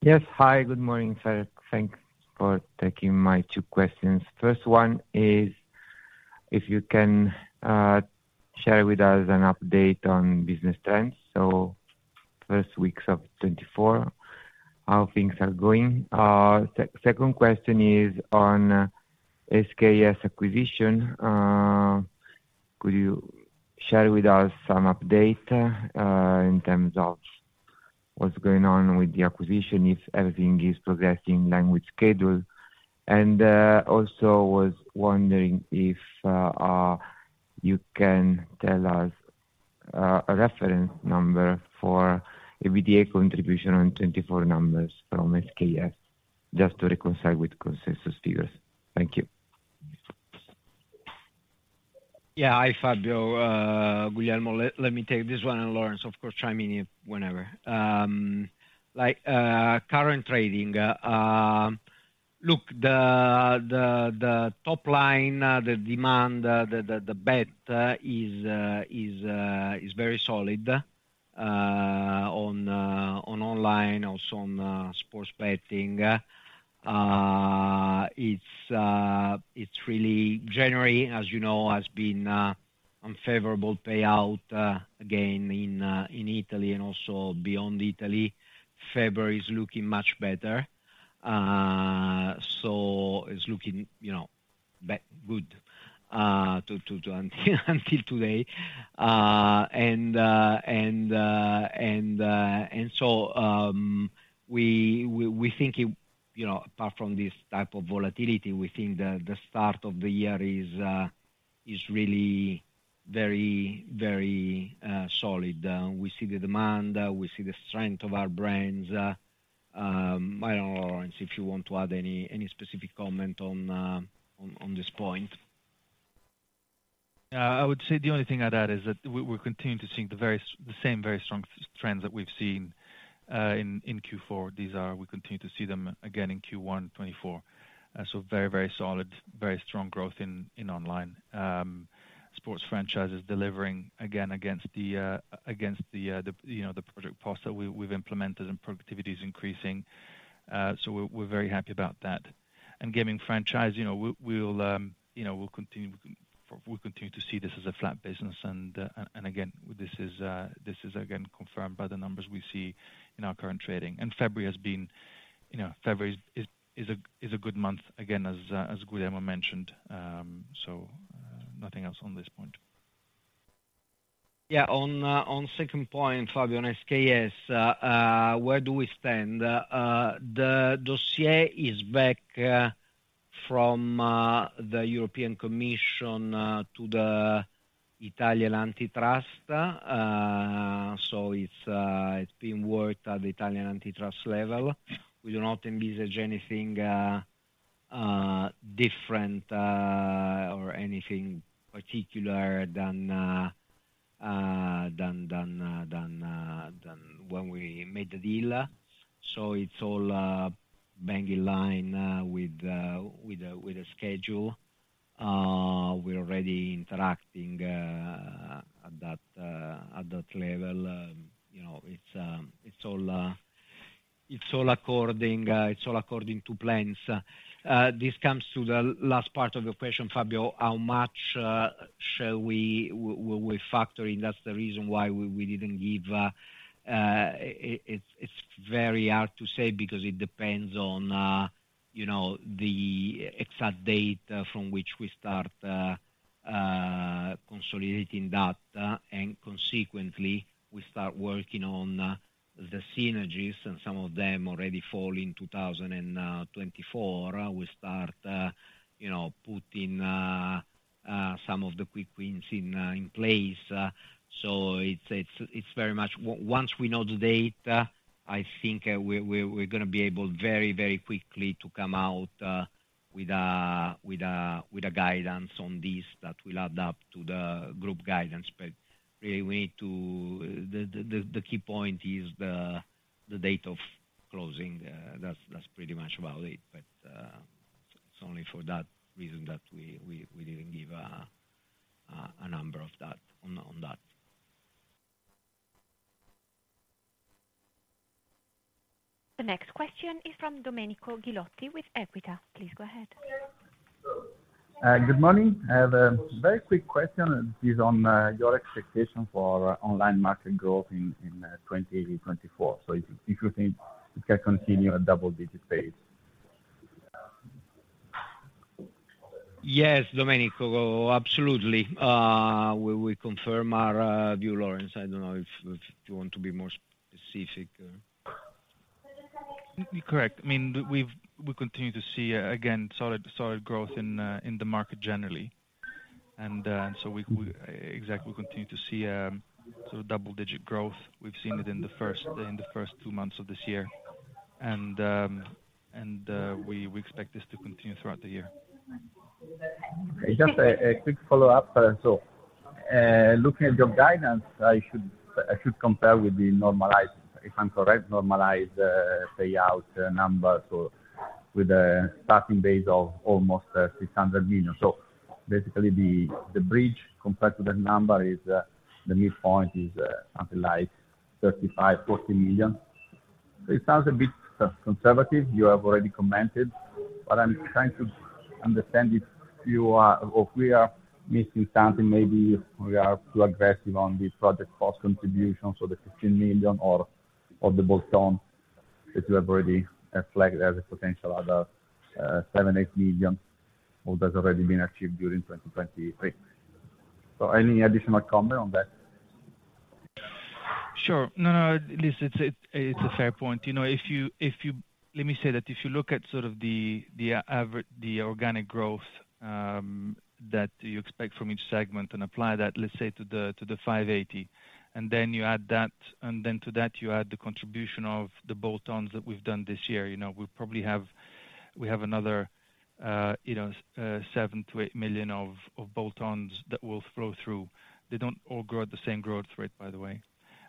Yes. Hi. Good morning, everyone. Thanks for taking my two questions. First one is if you can share with us an update on business trends, so first weeks of 2024, how things are going. Second question is on SKS acquisition. Could you share with us some update, in terms of what's going on with the acquisition, if everything is progressing in line with schedule? And also, I was wondering if you can tell us a reference number for an EBITDA contribution on 2024 numbers from SKS just to reconcile with consensus figures. Thank you. Yeah. Hi, Fabio. Guglielmo, let me take this one. And Laurence, of course, chime in whenever. Like current trading, look, the top line, the demand, the bet is very solid on online, also on sports betting. It's really January, as you know, has been unfavorable payout, again in Italy and also beyond Italy. February is looking much better. So it's looking, you know, good until today. And so we think it you know, apart from this type of volatility, we think the start of the year is really very solid. We see the demand. We see the strength of our brands. I don't know, Laurence, if you want to add any specific comment on this point. Yeah. I would say the only thing I'd add is that we continue to see the very same very strong trends that we've seen in Q4. These we continue to see them again in Q1 2024. So very solid, very strong growth in online sports franchises delivering again against the, you know, the project costs that we've implemented, and productivity is increasing. So we're very happy about that. And gaming franchise, you know, we continue to see this as a flat business. And again, this is confirmed by the numbers we see in our current trading. And February has been, you know, February is a good month again as Guglielmo mentioned. So nothing else on this point. Yeah. On, on second point, Fabio, on SKS, where do we stand? The dossier is back from the European Commission to the Italian antitrust. So it's been worked at the Italian antitrust level. We do not envisage anything different or anything particular than when we made the deal. So it's all bang in line with the schedule. We're already interacting at that level. You know, it's all according to plans. This comes to the last part of your question, Fabio. How much will we factor in? That's the reason why we didn't give; it's very hard to say because it depends on, you know, the exact date from which we start consolidating that. And consequently, we start working on the synergies. And some of them already fall in 2024. We start, you know, putting some of the quick wins in place. So it's very much once we know the date, I think we're going to be able very quickly to come out with a guidance on this that will add up to the group guidance. But really, the key point is the date of closing. That's pretty much about it. But it's only for that reason that we didn't give a number on that. The next question is from Domenico Ghilotti with Equita. Please go ahead. Good morning. I have a very quick question. It is on your expectation for online market growth in 2024, so if you think it can continue at double-digit pace? Yes, Domenico. Absolutely. We confirm our view, Laurence. I don't know if you want to be more specific. Correct. I mean, we continue to see, again, solid growth in the market generally. And so, exactly, we continue to see sort of double-digit growth. We've seen it in the first two months of this year. And we expect this to continue throughout the year. Okay. Just a quick follow-up. So, looking at your guidance, I should compare with the normalized if I'm correct, normalized payout number, so with a starting base of almost 600 million. So basically, the bridge compared to that number is the midpoint is something like 35 million- 40 million. So it sounds a bit conservative. You have already commented. But I'm trying to understand if you are or if we are missing something. Maybe we are too aggressive on the project cost contribution, so the 15 million or the bolt-on that you have already reflected as a potential other 7 million-8 million or that's already been achieved during 2023. So any additional comment on that? Sure. No, no. At least it's a fair point. You know, if you let me say that if you look at sort of the average organic growth that you expect from each segment and apply that, let's say, to the 580, and then you add that, and then to that you add the contribution of the bolt-ons that we've done this year, you know, we'll probably have another, you know, 7 million- 8 million of bolt-ons that will flow through. They don't all grow at the same growth rate, by the way.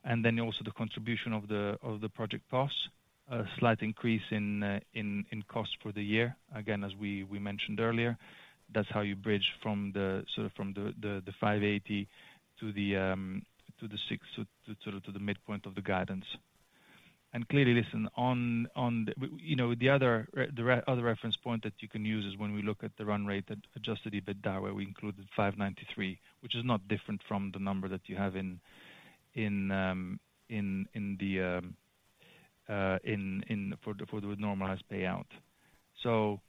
And then also the contribution of the project cost, a slight increase in cost for the year, again, as we mentioned earlier. That's how you bridge from the sort of from the 580 to the 600 to sort of to the midpoint of the guidance. And clearly, listen, on the you know, the other reference point that you can use is when we look at the run rate adjusted EBITDA where we included 593, which is not different from the number that you have in the for the normalized payout. So,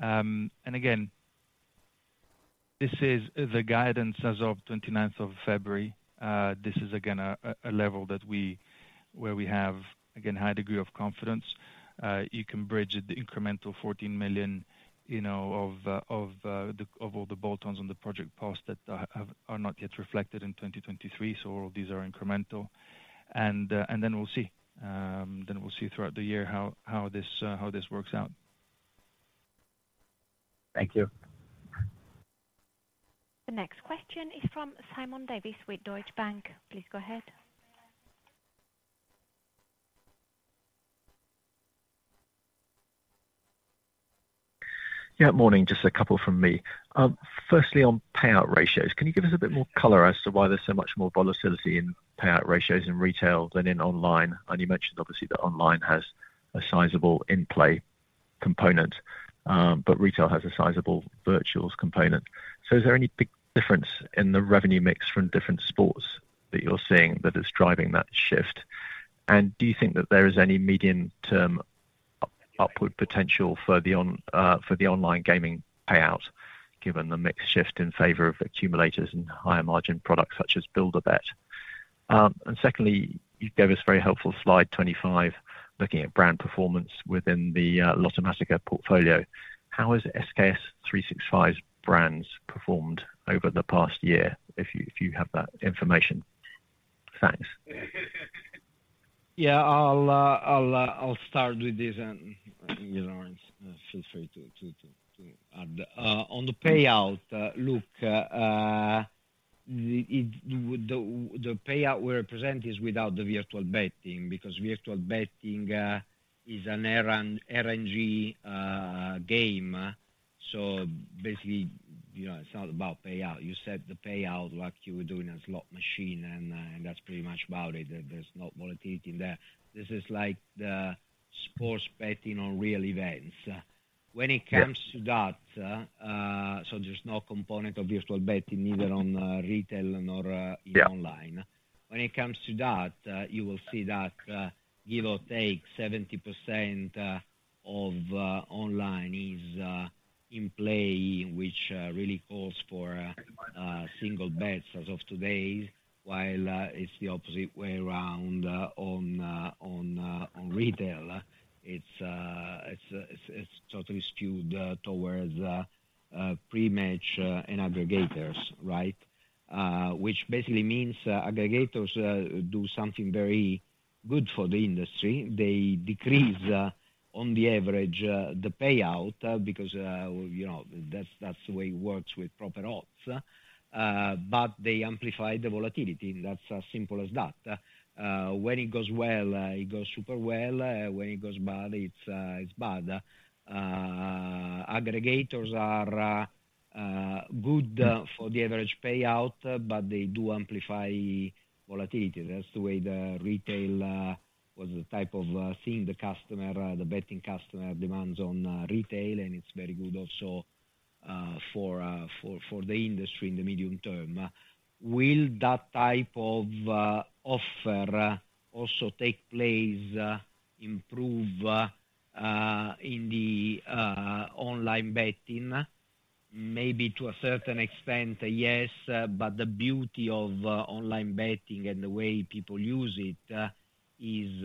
and again, this is the guidance as of 29th of February. This is, again, a level that we where we have, again, high degree of confidence. You can bridge the incremental 14 million, you know, of all the bolt-ons on the project cost that are not yet reflected in 2023. So all these are incremental. And then we'll see. Then we'll see throughout the year how this works out. Thank you. The next question is from Simon Davies with Deutsche Bank. Please go ahead. Yeah. Morning. Just a couple from me. Firstly, on payout ratios, can you give us a bit more color as to why there's so much more volatility in payout ratios in retail than in online? And you mentioned, obviously, that online has a sizable in-play component, but retail has a sizable virtuals component. So is there any big difference in the revenue mix from different sports that you're seeing that is driving that shift? And do you think that there is any medium-term upward potential further on, for the online gaming payout given the mix shift in favor of accumulators and higher-margin products such as Bet Builder? Secondly, you gave us a very helpful slide, 25, looking at brand performance within the Lottomatica portfolio. How has SKS365's brands performed over the past year if you if you have that information? Thanks. Yeah. I'll start with this. And, you know, Laurence, feel free to add on the payout. Look, it's the payout we represent is without the virtual betting because virtual betting is an RNG game. So basically, you know, it's not about payout. You said the payout, like, you were doing a slot machine. And that's pretty much about it. There's no volatility in there. This is like the sports betting on real events. When it comes to that, so there's no component of virtual betting neither on retail nor in online. When it comes to that, you will see that, give or take, 70% of online is in play, which really calls for single bets as of today, while it's the opposite way around on retail. It's totally skewed towards pre-match and aggregators, right, which basically means aggregators do something very good for the industry. They decrease, on average, the payout because, you know, that's the way it works with proper odds. But they amplify the volatility. That's as simple as that. When it goes well, it goes super well. When it goes bad, it's bad. Aggregators are good for the average payout, but they do amplify volatility. That's the way the retail—what's the type of thing the customer the betting customer demands on retail. And it's very good also for the industry in the medium term. Will that type of offer also take place, improve, in the online betting? Maybe to a certain extent, yes. But the beauty of online betting and the way people use it is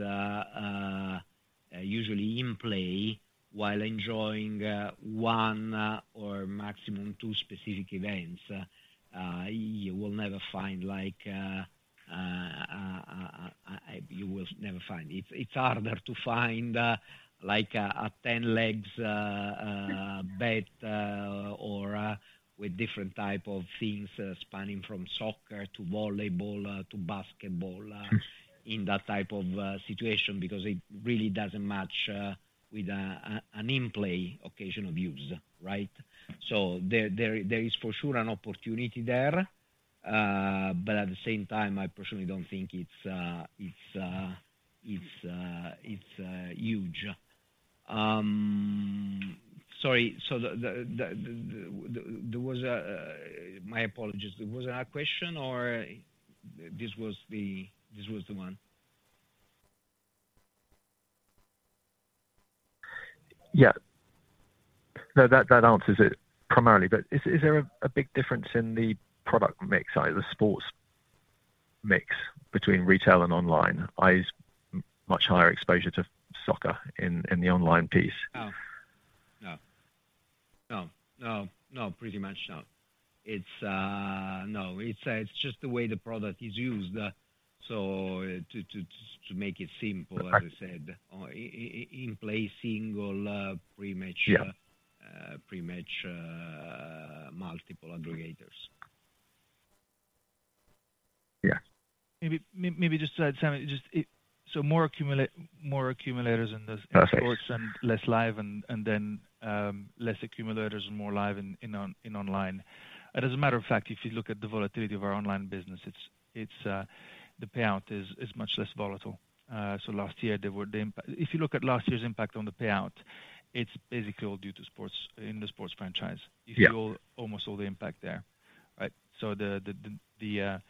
usually in play. While enjoying one or maximum two specific events, you will never find, like, you will never find. It's harder to find, like, a 10-leg bet or with different type of things, spanning from soccer to volleyball to basketball, in that type of situation because it really doesn't match with an in-play occasion of use, right? So there is for sure an opportunity there. But at the same time, I personally don't think it's huge. Sorry. So there was—my apologies. There was another question, or this was the—this was the one? Yeah. No, that answers it primarily. But is there a big difference in the product mix, either sports mix between retail and online? It's much higher exposure to soccer in the online piece. No. No. No. No. No. Pretty much not. It's no. It's just the way the product is used, so to make it simple, as I said, in-play single, pre-match, multiple aggregators. Yeah. Maybe, maybe just, Simon, just so more accumulators in sports and less live, and then less accumulators and more live in online. As a matter of fact, if you look at the volatility of our online business, it's the payout is much less volatile. So last year, there were the impact if you look at last year's impact on the payout, it's basically all due to sports in the sports franchise. You see almost all the impact there, right? So the 16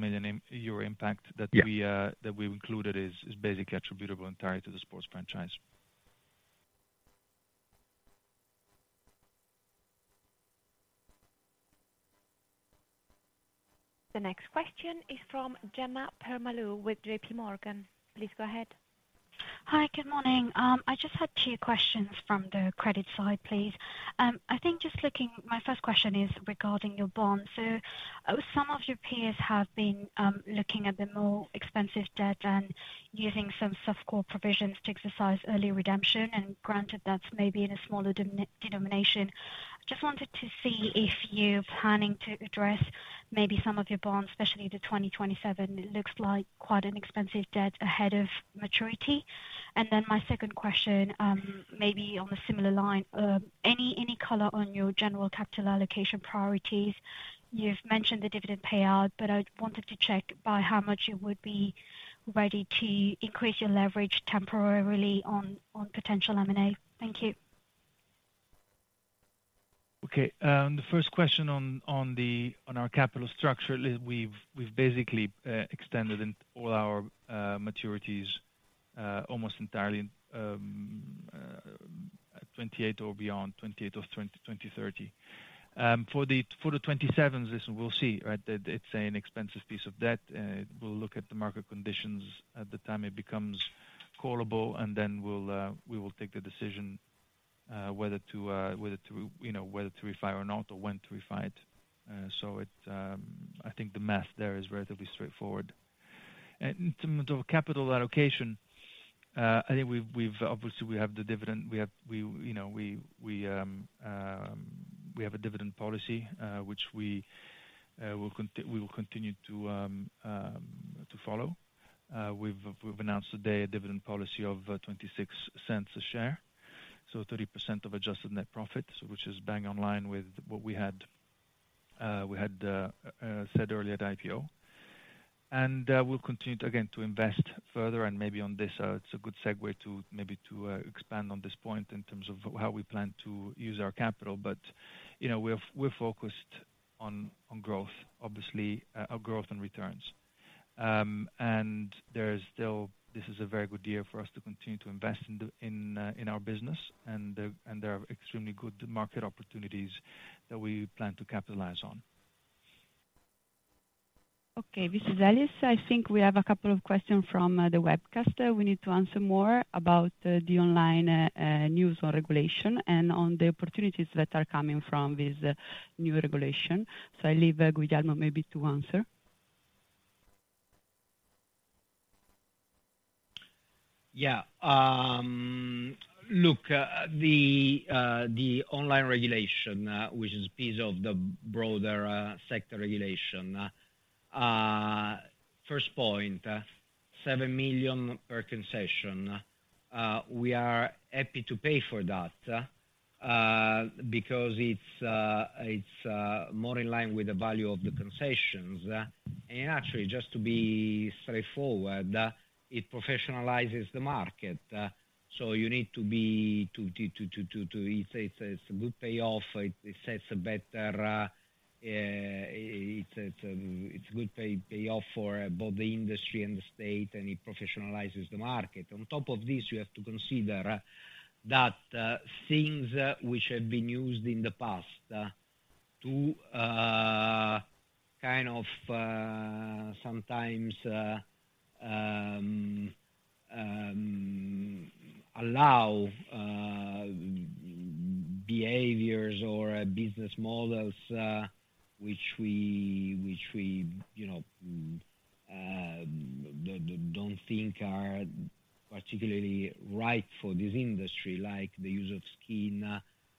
million euro impact that we included is basically attributable entirely to the sports franchise. The next question is from Jemma Permalloo with JPMorgan. Please go ahead. Hi. Good morning. I just had two questions from the credit side, please. I think just looking, my first question is regarding your bond. So some of your peers have been looking at the more expensive debt and using some soft call provisions to exercise early redemption. And granted, that's maybe in a smaller denomination. I just wanted to see if you're planning to address maybe some of your bonds, especially the 2027. It looks like quite an expensive debt ahead of maturity. And then my second question, maybe on a similar line, any, any color on your general capital allocation priorities? You've mentioned the dividend payout, but I wanted to check by how much you would be ready to increase your leverage temporarily on, on potential M&A. Thank you. Okay. The first question on our capital structure, we've basically extended all our maturities almost entirely 2028 or beyond, 2028 or 2030. For the 2027s, listen, we'll see, right? It's an expensive piece of debt. We'll look at the market conditions at the time it becomes callable. And then we'll take the decision whether to refinance or not or when to refinance it. So I think the math there is relatively straightforward. And in terms of capital allocation, I think we've obviously, you know, we have a dividend policy, which we will continue to follow. We've announced today a dividend policy of 0.26 a share, so 30% of adjusted net profit, which is bang on line with what we had said earlier at IPO. We'll continue to again invest further. And maybe on this, it's a good segue to maybe expand on this point in terms of how we plan to use our capital. But you know, we're focused on growth, obviously our growth and returns. And there's still a very good year for us to continue to invest in our business. And there are extremely good market opportunities that we plan to capitalize on. Okay. This is Alice. I think we have a couple of questions from the webcast. We need to answer more about the online news on regulation and on the opportunities that are coming from this new regulation. So I leave Guglielmo maybe to answer. Yeah. Look, the online regulation, which is a piece of the broader sector regulation, first point, 7 million per concession. We are happy to pay for that, because it's more in line with the value of the concessions. And actually, just to be straightforward, it professionalizes the market. So you need to be to it's a good payoff. It sets a better, it's a good payoff for both the industry and the state. And it professionalizes the market. On top of this, you have to consider that things which have been used in the past to kind of sometimes allow behaviors or business models which we, you know, don't think are particularly right for this industry, like the use of skin,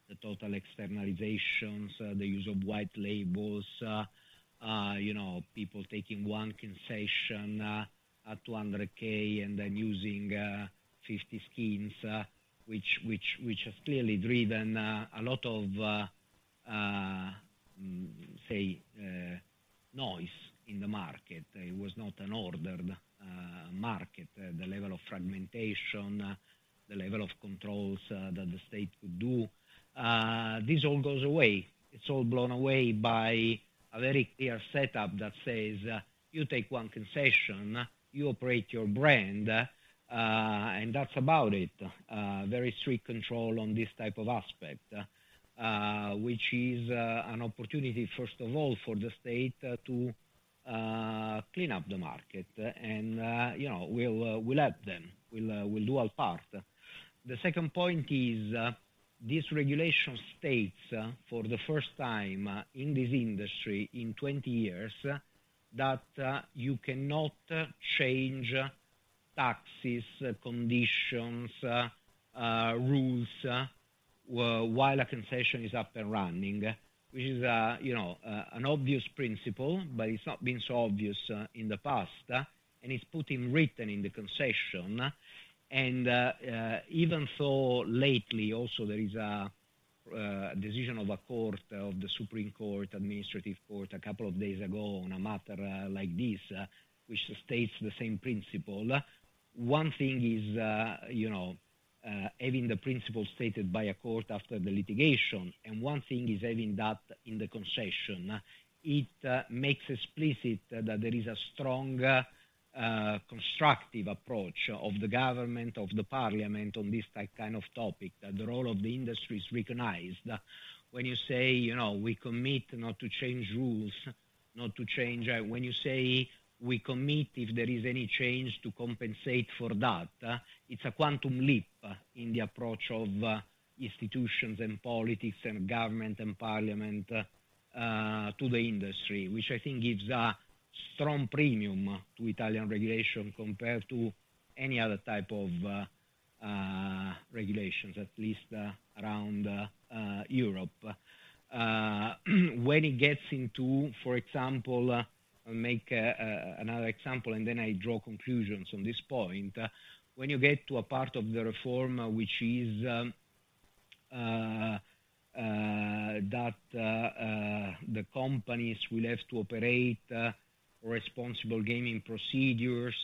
the total externalizations, the use of white labels, you know, people taking one concession at 200,000 and then using 50 skins, which has clearly driven a lot of, say, noise in the market. It was not an ordered market, the level of fragmentation, the level of controls that the state could do. This all goes away. It's all blown away by a very clear setup that says, "You take one concession. You operate your brand. And that's about it." Very strict control on this type of aspect, which is an opportunity, first of all, for the state to clean up the market. And, you know, we'll help them. We'll do our part. The second point is, this regulation states, for the first time in this industry in 20 years, that you cannot change taxes, conditions, rules, while a concession is up and running, which is, you know, an obvious principle. But it's not been so obvious in the past. And it's put in written in the concession. And, even though lately, also, there is a decision of a court of the Supreme Court Administrative Court a couple of days ago on a matter like this, which states the same principle, one thing is, you know, having the principle stated by a court after the litigation. And one thing is having that in the concession. It makes explicit that there is a strong, constructive approach of the government, of the Parliament on this type kind of topic, that the role of the industry is recognized. When you say, you know, "We commit not to change rules, not to change" when you say, "We commit, if there is any change, to compensate for that," it's a quantum leap in the approach of, institutions and politics and government and Parliament, to the industry, which I think gives a strong premium to Italian regulation compared to any other type of, regulations, at least, around, Europe. When it gets into for example, I'll make, another example. And then I draw conclusions on this point. When you get to a part of the reform which is that the companies will have to operate responsible gaming procedures,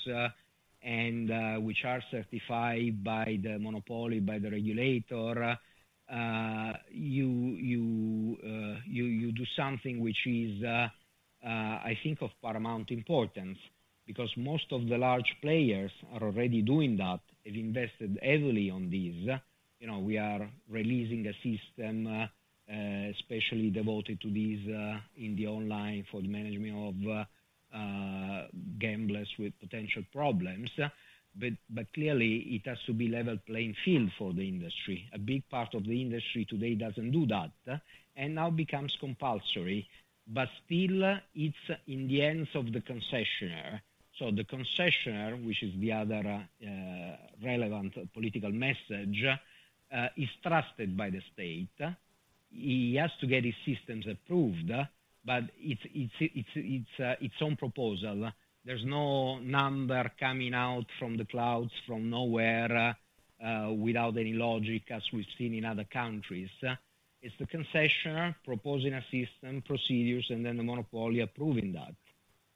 which are certified by the monopoly, by the regulator, you do something which is, I think, of paramount importance because most of the large players are already doing that, have invested heavily on this. You know, we are releasing a system, especially devoted to this, in the online for the management of gamblers with potential problems. But clearly, it has to be level playing field for the industry. A big part of the industry today doesn't do that and now becomes compulsory. But still, it's in the hands of the concessionaire. So the concessionaire, which is the other relevant political message, is trusted by the state. He has to get his systems approved. But it's on proposal. There's no number coming out from the clouds, from nowhere, without any logic, as we've seen in other countries. It's the concessionaire proposing a system, procedures, and then the monopoly approving that,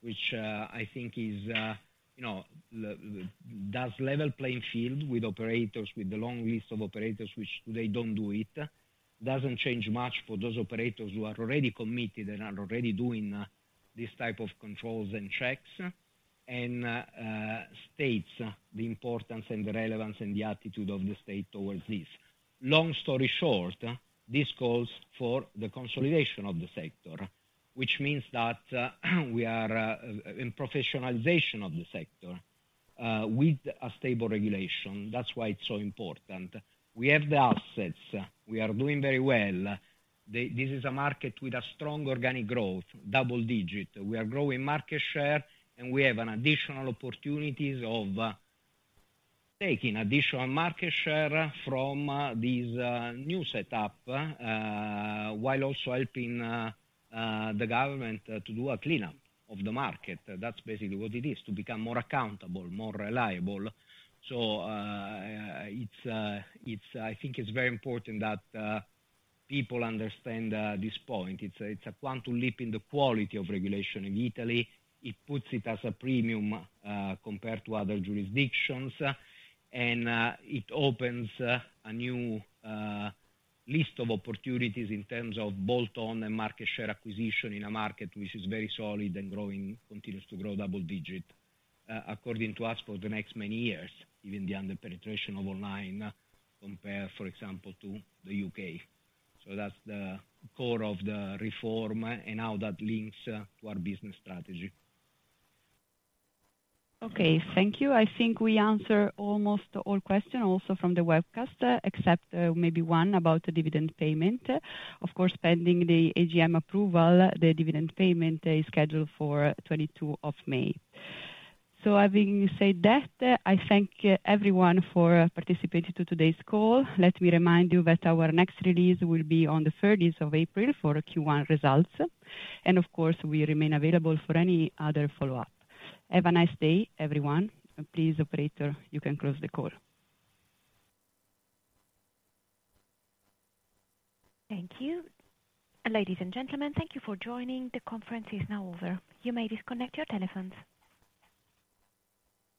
which, I think is, you know, the, the does level playing field with operators, with the long list of operators which today don't do it, doesn't change much for those operators who are already committed and are already doing this type of controls and checks, and states the importance and the relevance and the attitude of the state towards this. Long story short, this calls for the consolidation of the sector, which means that we are, and professionalization of the sector, with a stable regulation. That's why it's so important. We have the assets. We are doing very well. This is a market with a strong organic growth, double-digit. We are growing market share. We have additional opportunities of taking additional market share from this new setup, while also helping the government to do a cleanup of the market. That's basically what it is, to become more accountable, more reliable. So, I think it's very important that people understand this point. It's a quantum leap in the quality of regulation in Italy. It puts it as a premium compared to other jurisdictions. And it opens a new list of opportunities in terms of bolt-on and market share acquisition in a market which is very solid and growing, continues to grow double-digit, according to us, for the next many years, even the underpenetration of online compared, for example, to the U.K. So that's the core of the reform and how that links to our business strategy. Okay. Thank you. I think we answered almost all questions also from the webcast except, maybe one about the dividend payment. Of course, pending the AGM approval, the dividend payment is scheduled for 22 of May. So having said that, I thank everyone for participating to today's call. Let me remind you that our next release will be on the 30th of April for Q1 results. And of course, we remain available for any other follow-up. Have a nice day, everyone. Please, operator, you can close the call. Thank you. Ladies and gentlemen, thank you for joining. The conference is now over. You may disconnect your telephones.